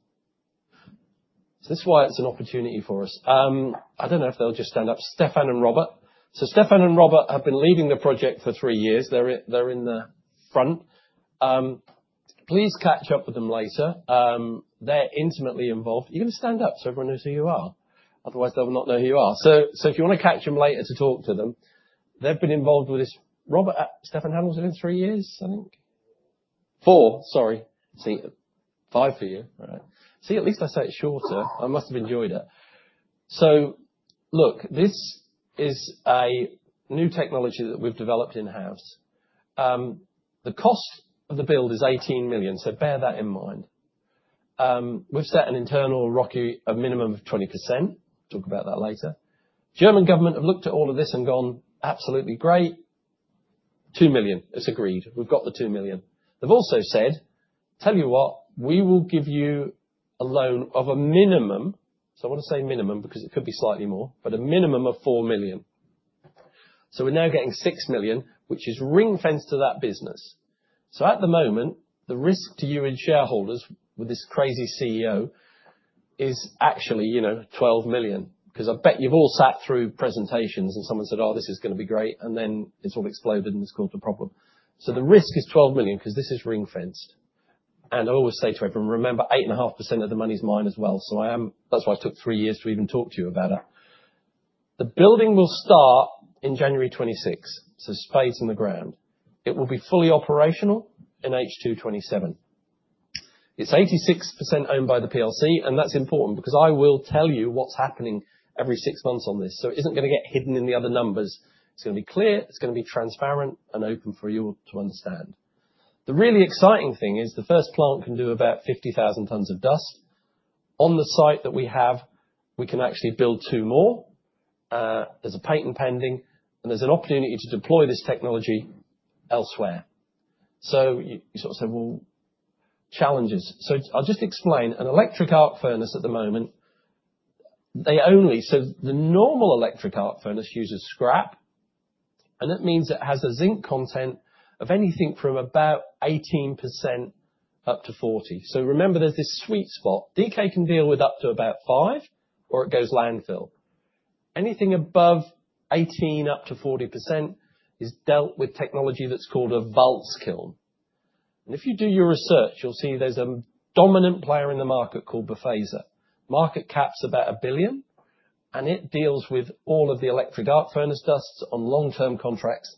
So this is why it's an opportunity for us. I don't know if they'll just stand up, Stefan and Robert. So Stefan and Robert have been leading the project for 3 years. They're in, they're in the front. Please catch up with them later. They're intimately involved. You're going to stand up so everyone knows who you are. Otherwise, they'll not know who you are. So, if you want to catch them later to talk to them, they've been involved with this. Robert, Stefan, how long has it been? three years, I think? four, sorry. See, five for you. Right. See, at least I say it shorter. I must have enjoyed it. So look, this is a new technology that we've developed in-house. The cost of the build is 18 million, so bear that in mind. We've set an internal ROIC, a minimum of 20%. Talk about that later. German government have looked at all of this and gone, "Absolutely great. 2 million." It's agreed. We've got the 2 million. They've also said, "Tell you what, we will give you a loan of a minimum," so I want to say minimum because it could be slightly more, "but a minimum of 4 million." So we're now getting 6 million, which is ring-fenced to that business. So at the moment, the risk to you in shareholders with this crazy CEO is actually, you know, 12 million, because I bet you've all sat through presentations and someone said, "Oh, this is going to be great," and then it's all exploded and it's caused a problem. So the risk is 12 million, because this is ring-fenced. And I always say to everyone, remember, 8.5% of the money is mine as well, so I amthat's why I took three years to even talk to you about it.... The building will start in January 2026. So spade in the ground. It will be fully operational in H2 2027. It's 86% owned by the PLC, and that's important because I will tell you what's happening every six months on this. So it isn't going to get hidden in the other numbers. It's going to be clear, it's going to be transparent and open for you all to understand. The really exciting thing is the first plant can do about 50,000 tons of dust. On the site that we have, we can actually build two more. There's a patent pending, and there's an opportunity to deploy this technology elsewhere. So you sort of say, well, challenges. So I'll just explain. An electric arc furnace at the moment, so the normal electric arc furnace uses scrap, and that means it has a zinc content of anything from about 18% up to 40%. So remember, there's this sweet spot. DK can deal with up to about 5, or it goes landfill. Anything above 18 up to 40% is dealt with technology that's called a Waelz kiln. And if you do your research, you'll see there's a dominant player in the market called Befesa. Market cap's about 1 billion, and it deals with all of the electric arc furnace dusts on long-term contracts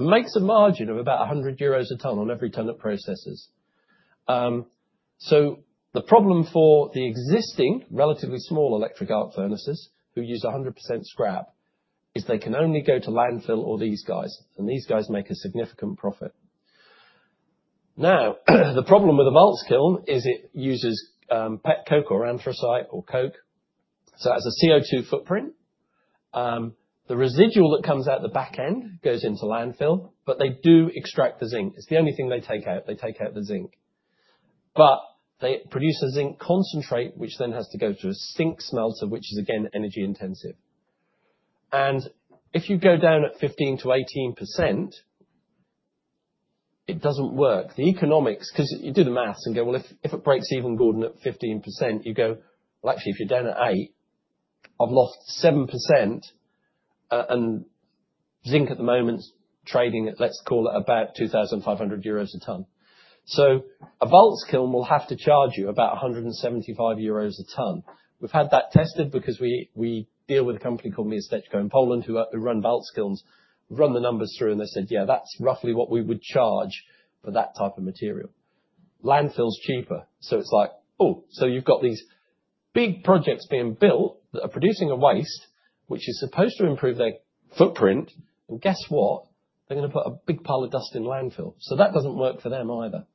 and makes a margin of about 100 euros a ton on every ton it processes. So the problem for the existing, relatively small electric arc furnaces, who use 100% scrap, is they can only go to landfill or these guys, and these guys make a significant profit. Now, the problem with the Waelz kiln is it uses petcoke or anthracite or coke. So it has a CO2 footprint. The residual that comes out the back end goes into landfill, but they do extract the zinc. It's the only thing they take out. They take out the zinc. But they produce a zinc concentrate, which then has to go through a zinc smelter, which is again, energy intensive. And if you go down at 15%-18%, it doesn't work. The economics—'cause you do the math and go, well, if, if it breaks even, Gordon, at 15%, you go, well, actually, if you're down at 8%, I've lost 7%, and zinc at the moment is trading at, let's call it about 2,500 euros a ton. So a Waelz kiln will have to charge you about 175 euros a ton. We've had that tested because we deal with a company called Huta Cynku Miasteczko Śląskie in Poland, who run Waelz kilns, run the numbers through, and they said, "Yeah, that's roughly what we would charge for that type of material." Landfill's cheaper, so it's like, oh, so you've got these big projects being built that are producing a waste, which is supposed to improve their footprint. And guess what? They're gonna put a big pile of dust in landfill. So that doesn't work for them either.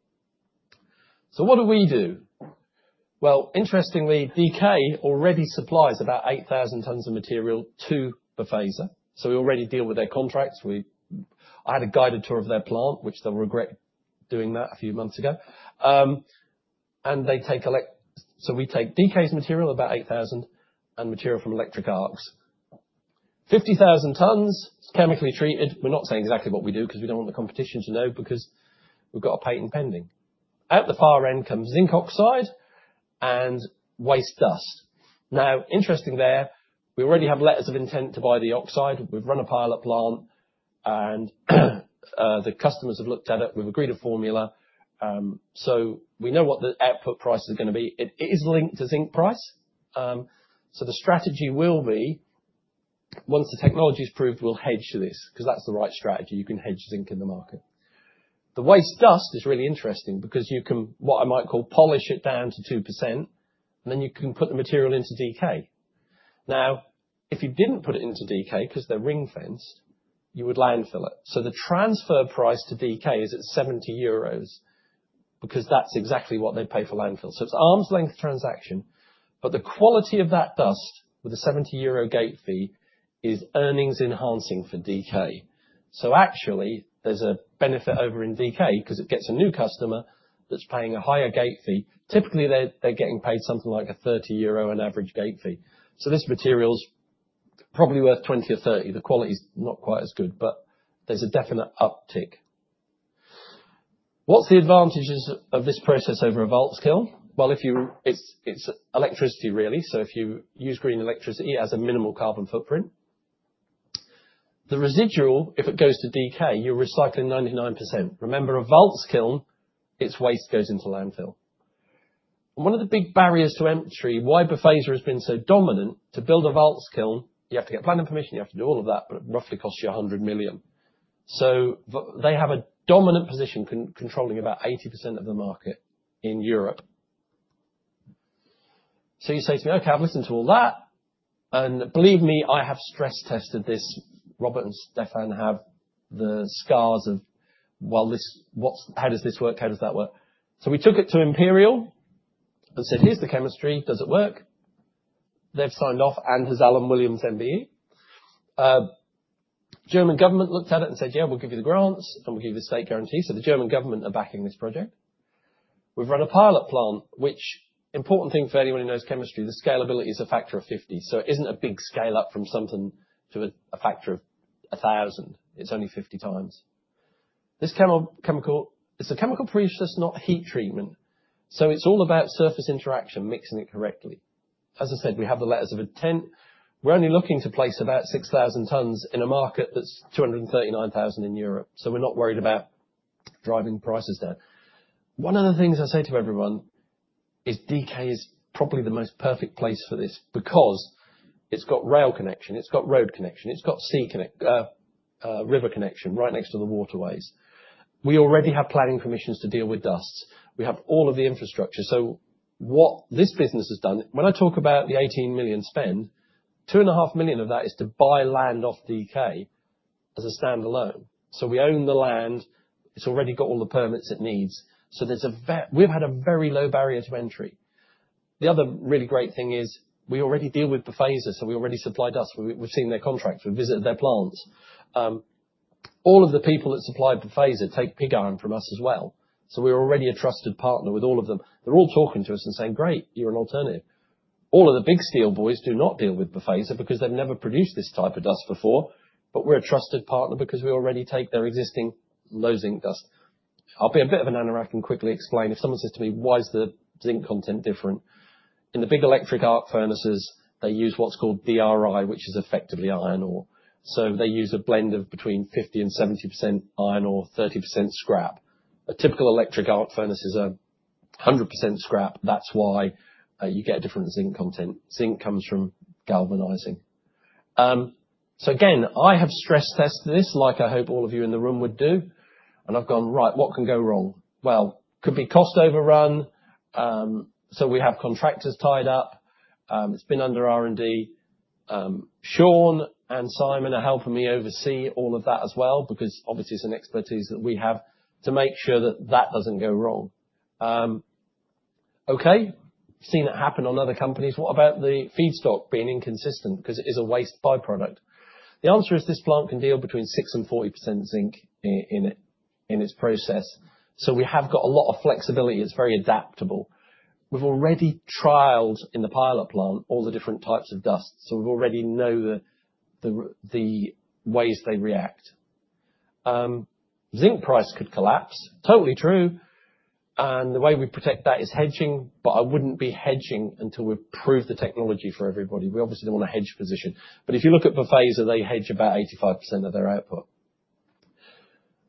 So what do we do? Well, interestingly, DK already supplies about 8,000 tons of material to Befesa, so we already deal with their contracts. I had a guided tour of their plant, which they'll regret doing that a few months ago. So we take DK's material, about 8,000, and material from electric arcs. 50,000 tons, it's chemically treated. We're not saying exactly what we do because we don't want the competition to know, because we've got a patent pending. At the far end comes zinc oxide and waste dust. Now, interesting there, we already have letters of intent to buy the oxide. We've run a pilot plant, and the customers have looked at it. We've agreed a formula, so we know what the output price is gonna be. It, it is linked to zinc price. So the strategy will be, once the technology is proved, we'll hedge to this, because that's the right strategy. You can hedge zinc in the market. The waste dust is really interesting because you can, what I might call, polish it down to 2%, and then you can put the material into DK. Now, if you didn't put it into DK, because they're ring-fenced, you would landfill it. So the transfer price to DK is at 70 euros, because that's exactly what they pay for landfill. So it's an arm's length transaction, but the quality of that dust with a 70 euro gate fee is earnings enhancing for DK. So actually, there's a benefit over in DK because it gets a new customer that's paying a higher gate fee. Typically, they, they're getting paid something like a 30 euro on average gate fee. So this material's probably worth 20 or 30. The quality is not quite as good, but there's a definite uptick. What's the advantages of this process over a Waelz kiln? Well, it's electricity, really, so if you use green electricity, it has a minimal carbon footprint. The residual, if it goes to DK, you're recycling 99%. Remember, a Waelz kiln, its waste goes into landfill. One of the big barriers to entry, why Befesa has been so dominant, to build a Waelz kiln, you have to get planning permission, you have to do all of that, but it roughly costs you 100 million. So they have a dominant position controlling about 80% of the market in Europe. So you say to me, "Okay, I've listened to all that," and believe me, I have stress tested this. Robert and Stefan have the scars of, well, this, what's how does this work? How does that work? So we took it to Imperial and said, "Here's the chemistry, does it work?" They've signed off, and has Alan Williams, MBE. German government looked at it and said, "Yeah, we'll give you the grants, and we'll give you the state guarantee." So the German government are backing this project. We've run a pilot plant, which important thing for anyone who knows chemistry, the scalability is a factor of 50, so it isn't a big scale up from something to a, a factor of 1,000. It's only 50 times. It's a chemical process, not heat treatment, so it's all about surface interaction, mixing it correctly. As I said, we have the letters of intent. We're only looking to place about 6,000 tons in a market that's 239,000 in Europe, so we're not worried about driving prices down. One of the things I say to everyone is DK is probably the most perfect place for this, because it's got rail connection, it's got road connection, it's got sea connection, river connection, right next to the waterways. We already have planning permissions to deal with dust. We have all of the infrastructure. So what this business has done, when I talk about the 18 million spend, 2.5 million of that is to buy land off DK as a standalone. So we own the land. It's already got all the permits it needs. So we've had a very low barrier to entry. The other really great thing is we already deal with Befesa, so we already supplied dust. We've seen their contracts, we've visited their plants. All of the people that supply Befesa take pig iron from us as well, so we're already a trusted partner with all of them. They're all talking to us and saying, "Great, you're an alternative." All of the big steel boys do not deal with Befesa because they've never produced this type of dust before, but we're a trusted partner because we already take their existing low-zinc dust. I'll be a bit of an interrupt and quickly explain. If someone says to me, "Why is the zinc content different?" In the big electric arc furnaces, they use what's called HBI, which is effectively iron ore. So they use a blend of between 50% and 70% iron ore, 30% scrap. A typical electric arc furnace is 100% scrap. That's why you get a different zinc content. Zinc comes from galvanizing. So again, I have stress tested this, like I hope all of you in the room would do, and I've gone, "Right, what can go wrong?" Well, could be cost overrun. So we have contractors tied up. It's been under R&D. Sean and Simon are helping me oversee all of that as well, because obviously it's an expertise that we have, to make sure that that doesn't go wrong. Okay, seen it happen on other companies. What about the feedstock being inconsistent? Because it is a waste by-product. The answer is this plant can deal between 6% and 40% zinc in its process, so we have got a lot of flexibility. It's very adaptable. We've already trialed, in the pilot plant, all the different types of dust, so we already know the ways they react. Zinc price could collapse, totally true, and the way we protect that is hedging, but I wouldn't be hedging until we've proved the technology for everybody. We obviously don't want to hedge position. But if you look at Befesa, they hedge about 85% of their output.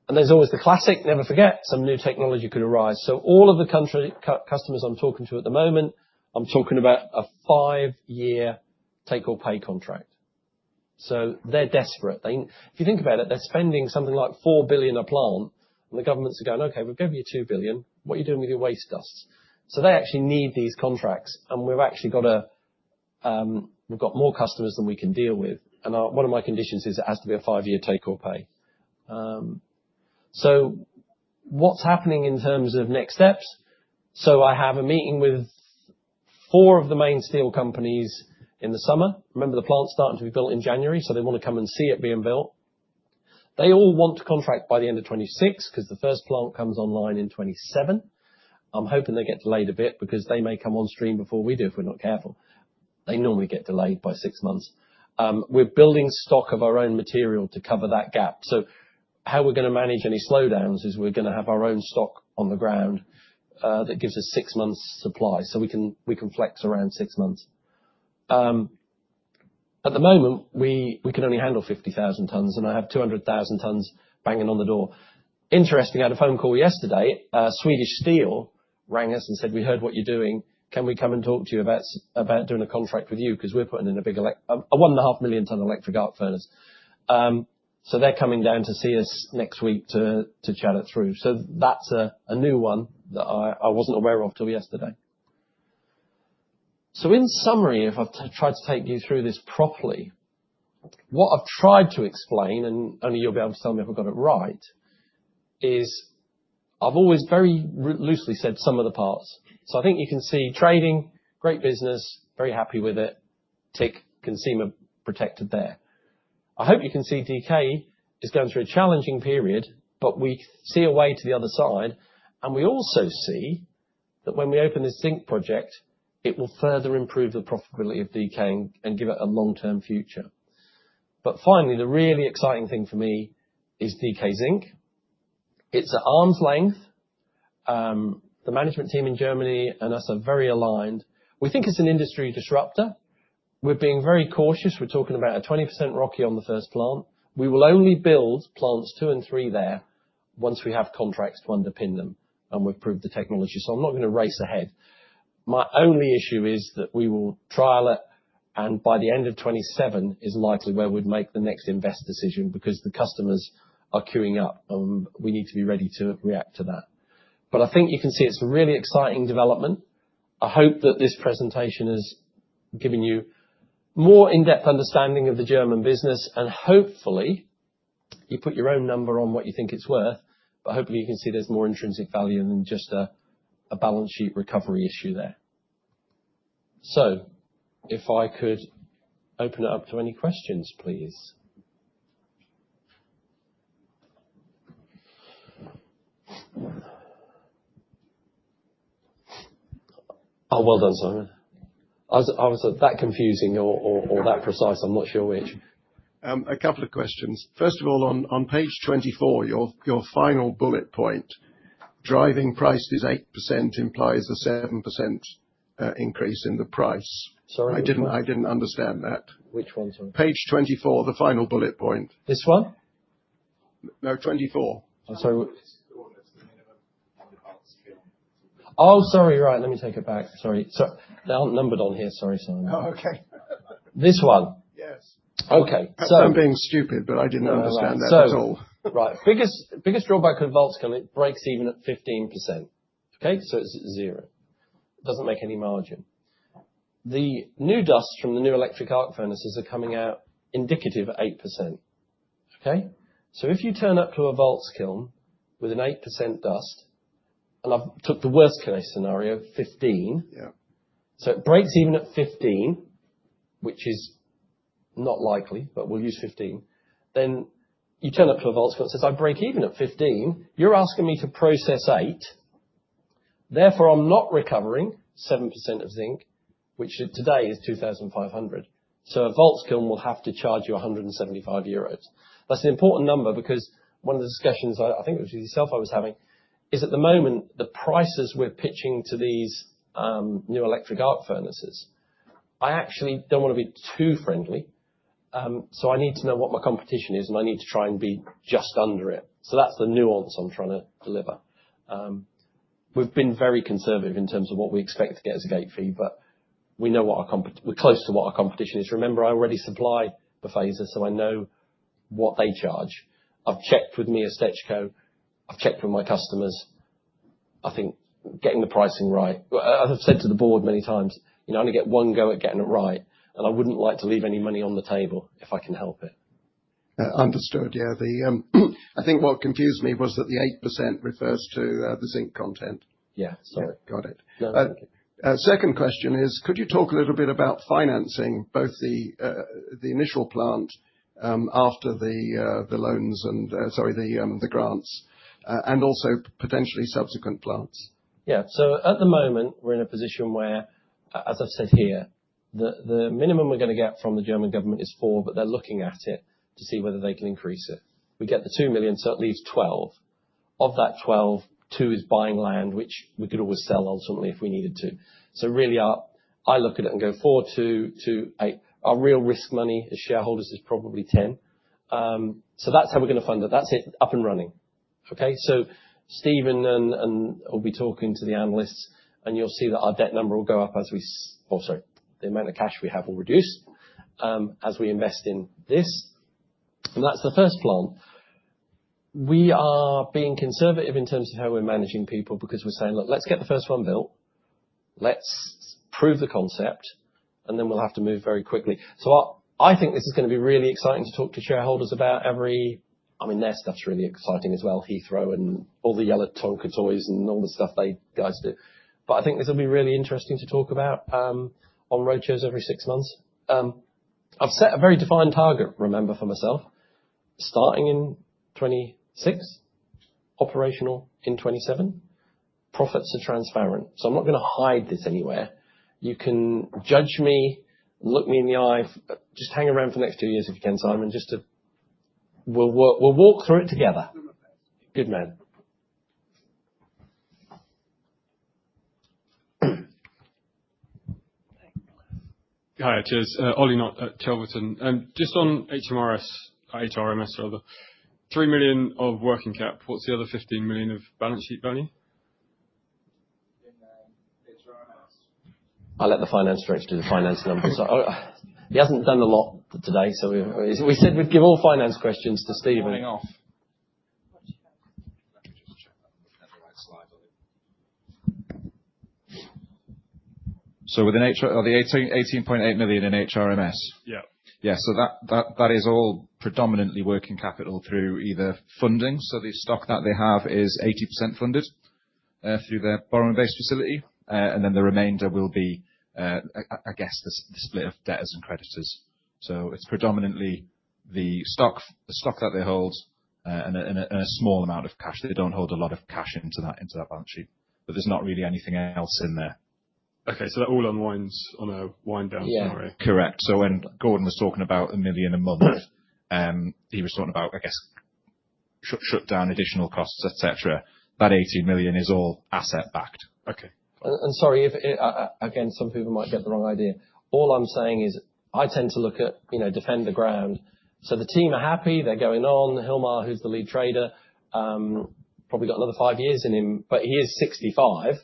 And there's always the classic, never forget, some new technology could arise. So all of the customers I'm talking to at the moment, I'm talking about a five-year take-or-pay contract. So they're desperate. If you think about it, they're spending something like 4 billion a plant, and the government's going, "Okay, we'll give you 2 billion. What are you doing with your waste dust?" So they actually need these contracts, and we've actually got more customers than we can deal with, and one of my conditions is it has to be a five-year take or pay. So what's happening in terms of next steps? So I have a meeting with four of the main steel companies in the summer. Remember, the plant's starting to be built in January, so they want to come and see it being built. They all want to contract by the end of 2026, 'cause the first plant comes online in 2027. I'm hoping they get delayed a bit, because they may come on stream before we do, if we're not careful. They normally get delayed by six months. We're building stock of our own material to cover that gap. So how we're gonna manage any slowdowns is we're gonna have our own stock on the ground that gives us six months' supply, so we can, we can flex around six months. At the moment, we, we can only handle 50,000 tons, and I have 200,000 tons banging on the door. Interesting, I had a phone call yesterday. Swedish Steel rang us and said, "We heard what you're doing. Can we come and talk to you about about doing a contract with you? 'Cause we're putting in a big 1.5 million ton electric arc furnace." So they're coming down to see us next week to, to chat it through. So that's a, a new one that I, I wasn't aware of till yesterday. So in summary, if I've tried to take you through this properly, what I've tried to explain, and only you'll be able to tell me if I've got it right, is I've always very loosely said some of the parts. So I think you can see trading, great business, very happy with it, tick, consumer protected there. I hope you can see DK is going through a challenging period, but we see a way to the other side, and we also see that when we open this zinc project, it will further improve the profitability of DK and give it a long-term future. But finally, the really exciting thing for me is DK Zinc. It's at arm's length. The management team in Germany and us are very aligned. We think it's an industry disruptor. We're being very cautious. We're talking about a 20% ROCE on the first plant. We will only build plants 2 and 3 there once we have contracts to underpin them and we've proved the technology, so I'm not gonna race ahead. My only issue is that we will trial it, and by the end of 2027 is likely where we'd make the next invest decision, because the customers are queuing up, and we need to be ready to react to that. But I think you can see it's a really exciting development. I hope that this presentation has given you more in-depth understanding of the German business, and hopefully, you put your own number on what you think it's worth, but hopefully, you can see there's more intrinsic value than just a, a balance sheet recovery issue there. So if I could open it up to any questions, please.
Oh, well done, Simon.
I was that confusing or that precise? I'm not sure which.
A couple of questions. First of all, on page 24, your final bullet point, driving price is 8%, implies a 7% increase in the price.
Sorry?
I didn't understand that.
Which one, sorry?
Page 24, the final bullet point.
This one?...
No, 24.
Oh, sorry. Right. Let me take it back. Sorry. So they aren't numbered on here. Sorry, Simon.
Oh, okay.
This one?
Yes.
Okay. So-
Perhaps I'm being stupid, but I didn't understand that at all.
So, right. Biggest, biggest drawback of a Waelz kiln, it breaks even at 15%, okay? So it's at zero. It doesn't make any margin. The new dust from the new electric arc furnaces are coming out indicative at 8%, okay? So if you turn up to a Waelz kiln with an 8% dust, and I've took the worst case scenario, 15.
Yeah.
So it breaks even at 15, which is not likely, but we'll use 15. Then you turn up to a Waelz kiln and says, "I break even at 15, you're asking me to process 8, therefore, I'm not recovering 7% of zinc," which should today is 2,500. So a Waelz kiln will have to charge you 175 euros. That's an important number because one of the discussions, I, I think it was with yourself I was having, is at the moment, the prices we're pitching to these new electric arc furnaces. I actually don't want to be too friendly, so I need to know what my competition is, and I need to try and be just under it. So that's the nuance I'm trying to deliver. We've been very conservative in terms of what we expect to get as a gate fee, but we know what our competition is. We're close to what our competition is. Remember, I already supply Befesa, so I know what they charge. I've checked with Miasteczko, I've checked with my customers. I think getting the pricing right. Well, as I've said to the board many times, you know, I only get one go at getting it right, and I wouldn't like to leave any money on the table if I can help it.
Understood. Yeah. I think what confused me was that the 8% refers to the zinc content.
Yeah. Sorry.
Yeah. Got it.
No, thank you.
Second question is, could you talk a little bit about financing both the initial plant after the loans and, sorry, the grants, and also potentially subsequent plants?
Yeah. So at the moment, we're in a position where, as I've said here, the minimum we're going to get from the German government is 4 million, but they're looking at it to see whether they can increase it. We get the 2 million, so it leaves 12 million. Of that 12 million, 2 million is buying land, which we could always sell ultimately if we needed to. So really, I look at it and go 4 million to 8 million. Our real risk money as shareholders is probably 10 million. So that's how we're going to fund it. That's it, up and running. Okay? So Stephen and will be talking to the analysts, and you'll see that our debt number will go up - oh, sorry, the amount of cash we have will reduce, as we invest in this, and that's the first plant. We are being conservative in terms of how we're managing people because we're saying: Look, let's get the first one built. Let's prove the concept, and then we'll have to move very quickly. So I think this is going to be really exciting to talk to shareholders about every stuff's really exciting as well, Heathrow and all the yellow Tonka Toys and all the stuff the guys do. But I think this will be really interesting to talk about on roadshows every six months. I've set a very defined target, remember, for myself, starting in 2026, operational in 2027. Profits are transparent, so I'm not going to hide this anywhere. You can judge me, look me in the eye, just hang around for the next two years if you can, Simon, we'll walk through it together. Good man. Thanks.
Hi, cheers. Ollie Knott at Tyndall. Just on HMRC, HRMS, rather, 3 million of working cap, what's the other 15 million of balance sheet value?
In the HRMS.
I'll let the finance director do the finance numbers. So he hasn't done a lot today, so we, we said we'd give all finance questions to Stephen. Going off.
Let me just check that I'm on the right slide. So with an HRMS or the 18.8 million in HRMS?
Yeah.
Yes. So that is all predominantly working capital through either funding, so the stock that they have is 80% funded through their borrowing-based facility. And then the remainder will be, I guess, the split of debtors and creditors. So it's predominantly the stock, the stock that they hold, and a small amount of cash. They don't hold a lot of cash into that balance sheet, but there's not really anything else in there.
Okay. So that all unwinds on a wind down summary?
Yeah. Correct. So when Gordon was talking about 1 million a month, he was talking about, I guess, shut down additional costs, et cetera. That 18 million is all asset backed.
Okay.
Sorry, if it again, some people might get the wrong idea. All I'm saying is, I tend to look at, you know, defend the ground. So the team are happy, they're going on. Hilmar, who's the lead trader, probably got another 5 years in him, but he is 65.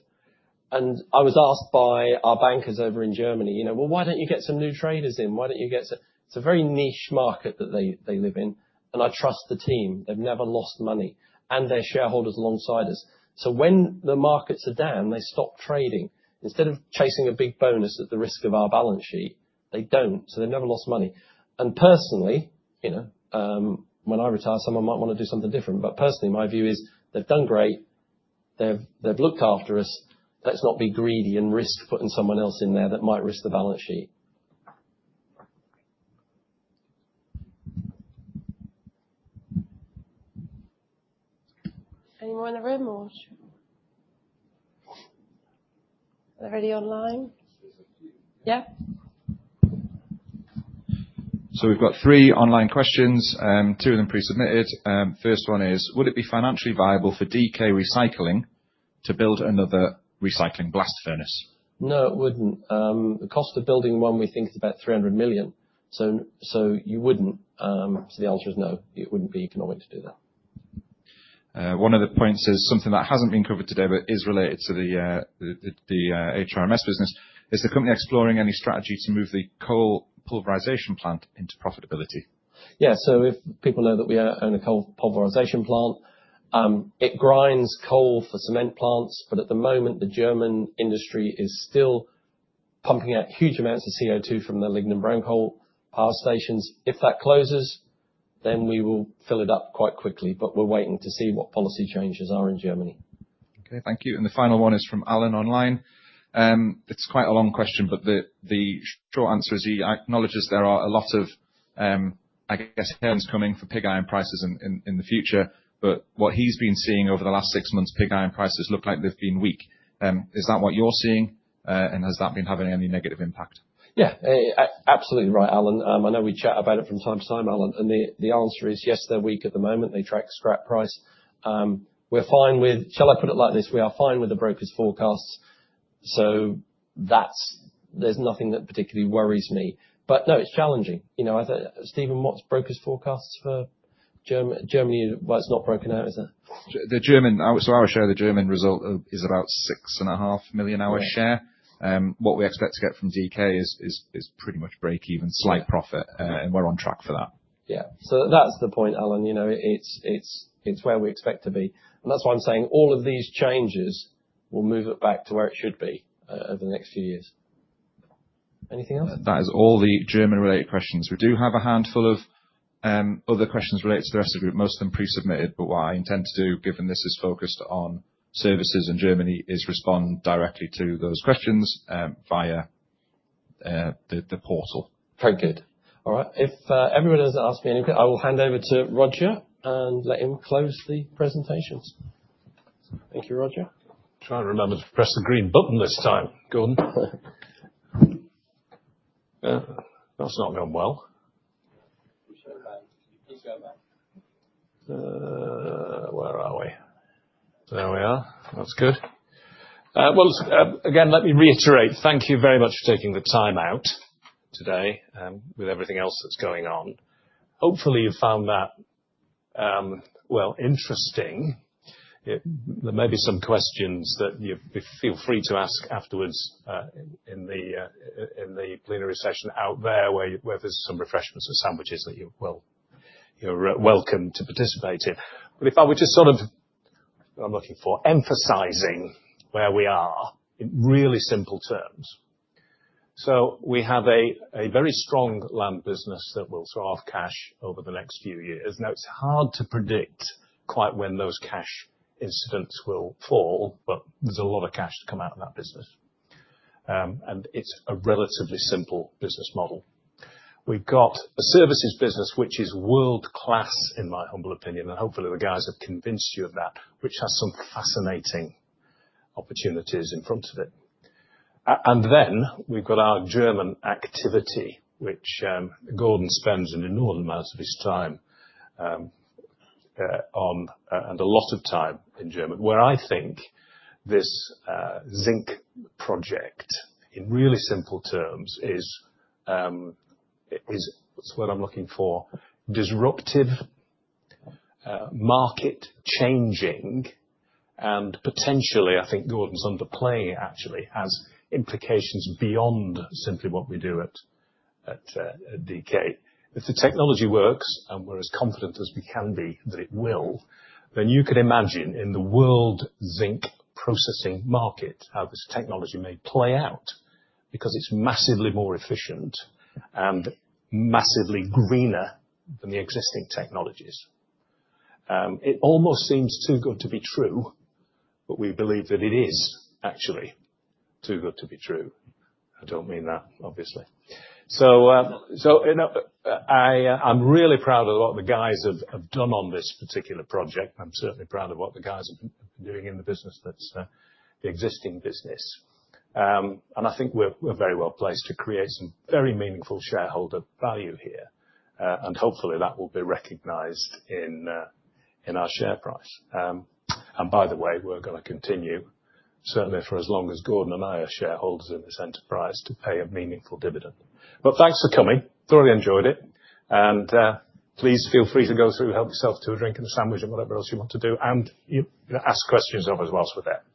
I was asked by our bankers over in Germany, "You know, well, why don't you get some new traders in? Why don't you get some..." It's a very niche market that they live in, and I trust the team. They've never lost money, and they're shareholders alongside us. So when the markets are down, they stop trading. Instead of chasing a big bonus at the risk of our balance sheet, they don't, so they've never lost money. Personally, you know, when I retire, someone might want to do something different. But personally, my view is, they've done great, they've, they've looked after us. Let's not be greedy and risk putting someone else in there that might risk the balance sheet.
Anyone in the room or? Anybody online? Yeah.
We've got three online questions, two of them pre-submitted. First one is: Would it be financially viable for DK Recycling to build another recycling blast furnace?
No, it wouldn't. The cost of building one, we think, is about 300 million. So you wouldn't, so the answer is no, it wouldn't be economic to do that.
One of the points is something that hasn't been covered today, but is related to the HRMS business: Is the company exploring any strategy to move the coal pulverization plant into profitability?
Yeah, so if people know that we own a coal pulverization plant, it grinds coal for cement plants, but at the moment, the German industry is still pumping out huge amounts of CO2 from the lignite brown coal power stations. If that closes, then we will fill it up quite quickly, but we're waiting to see what policy changes are in Germany.
Okay, thank you. And the final one is from Alan online. It's quite a long question, but the short answer is, he acknowledges there are a lot of, I guess, winds coming for pig iron prices in the future. But what he's been seeing over the last six months, pig iron prices look like they've been weak. Is that what you're seeing? And has that been having any negative impact?
Yeah, absolutely right, Alan. I know we chat about it from time to time, Alan, and the answer is yes, they're weak at the moment. They track scrap price. We're fine with, shall I put it like this? We are fine with the brokers forecasts, so that there's nothing that particularly worries me. But no, it's challenging. You know, I think, Stephen, what's brokers forecasts for Germany? Well, it's not broken out, is it?
The German. So I would show the German result is about 6.5 million our share.
Yeah.
What we expect to get from DK is pretty much break even-
Yeah...
Slight profit, and we're on track for that.
Yeah. So that's the point, Alan, you know, it's, it's, it's where we expect to be. And that's why I'm saying all of these changes will move it back to where it should be over the next few years. Anything else?
That is all the German-related questions. We do have a handful of other questions related to the rest of you, most of them pre-submitted, but what I intend to do, given this is focused on services in Germany, is respond directly to those questions via the portal.
Very good. All right. If everyone doesn't ask me anything, I will hand over to Roger and let him close the presentations. Thank you, Roger.
Trying to remember to press the green button this time, Gordon. That's not going well. Just go back. Just go back. Where are we? There we are. That's good. Well, again, let me reiterate, thank you very much for taking the time out today, with everything else that's going on. Hopefully, you found that, interesting. There may be some questions that you feel free to ask afterwards, in the plenary session out there, where there's some refreshments and sandwiches that you're welcome to participate in. But if I were just sort of... What I'm looking for, emphasizing where we are in really simple terms. So we have a very strong land business that will throw off cash over the next few years. Now, it's hard to predict quite when those cash incidents will fall, but there's a lot of cash to come out of that business. And it's a relatively simple business model. We've got a services business, which is world-class, in my humble opinion, and hopefully, the guys have convinced you of that, which has some fascinating opportunities in front of it. And then we've got our German activity, which Gordon spends an inordinate amount of his time, and a lot of time in Germany, where I think this zinc project, in really simple terms, is what I'm looking for, disruptive, market-changing, and potentially, I think Gordon's underplaying it actually, has implications beyond simply what we do at DK. If the technology works, and we're as confident as we can be, that it will, then you can imagine in the world zinc processing market, how this technology may play out, because it's massively more efficient and massively greener than the existing technologies. It almost seems too good to be true, but we believe that it is actually too good to be true. I don't mean that, obviously. So, you know, I'm really proud of what the guys have done on this particular project. I'm certainly proud of what the guys have been doing in the business, that's the existing business. And I think we're very well placed to create some very meaningful shareholder value here, and hopefully, that will be recognized in our share price. And by the way, we're gonna continue, certainly for as long as Gordon and I are shareholders in this enterprise, to pay a meaningful dividend. But thanks for coming. Thoroughly enjoyed it. And, please feel free to go through, help yourself to a drink and a sandwich or whatever else you want to do, and you, ask questions as well with that.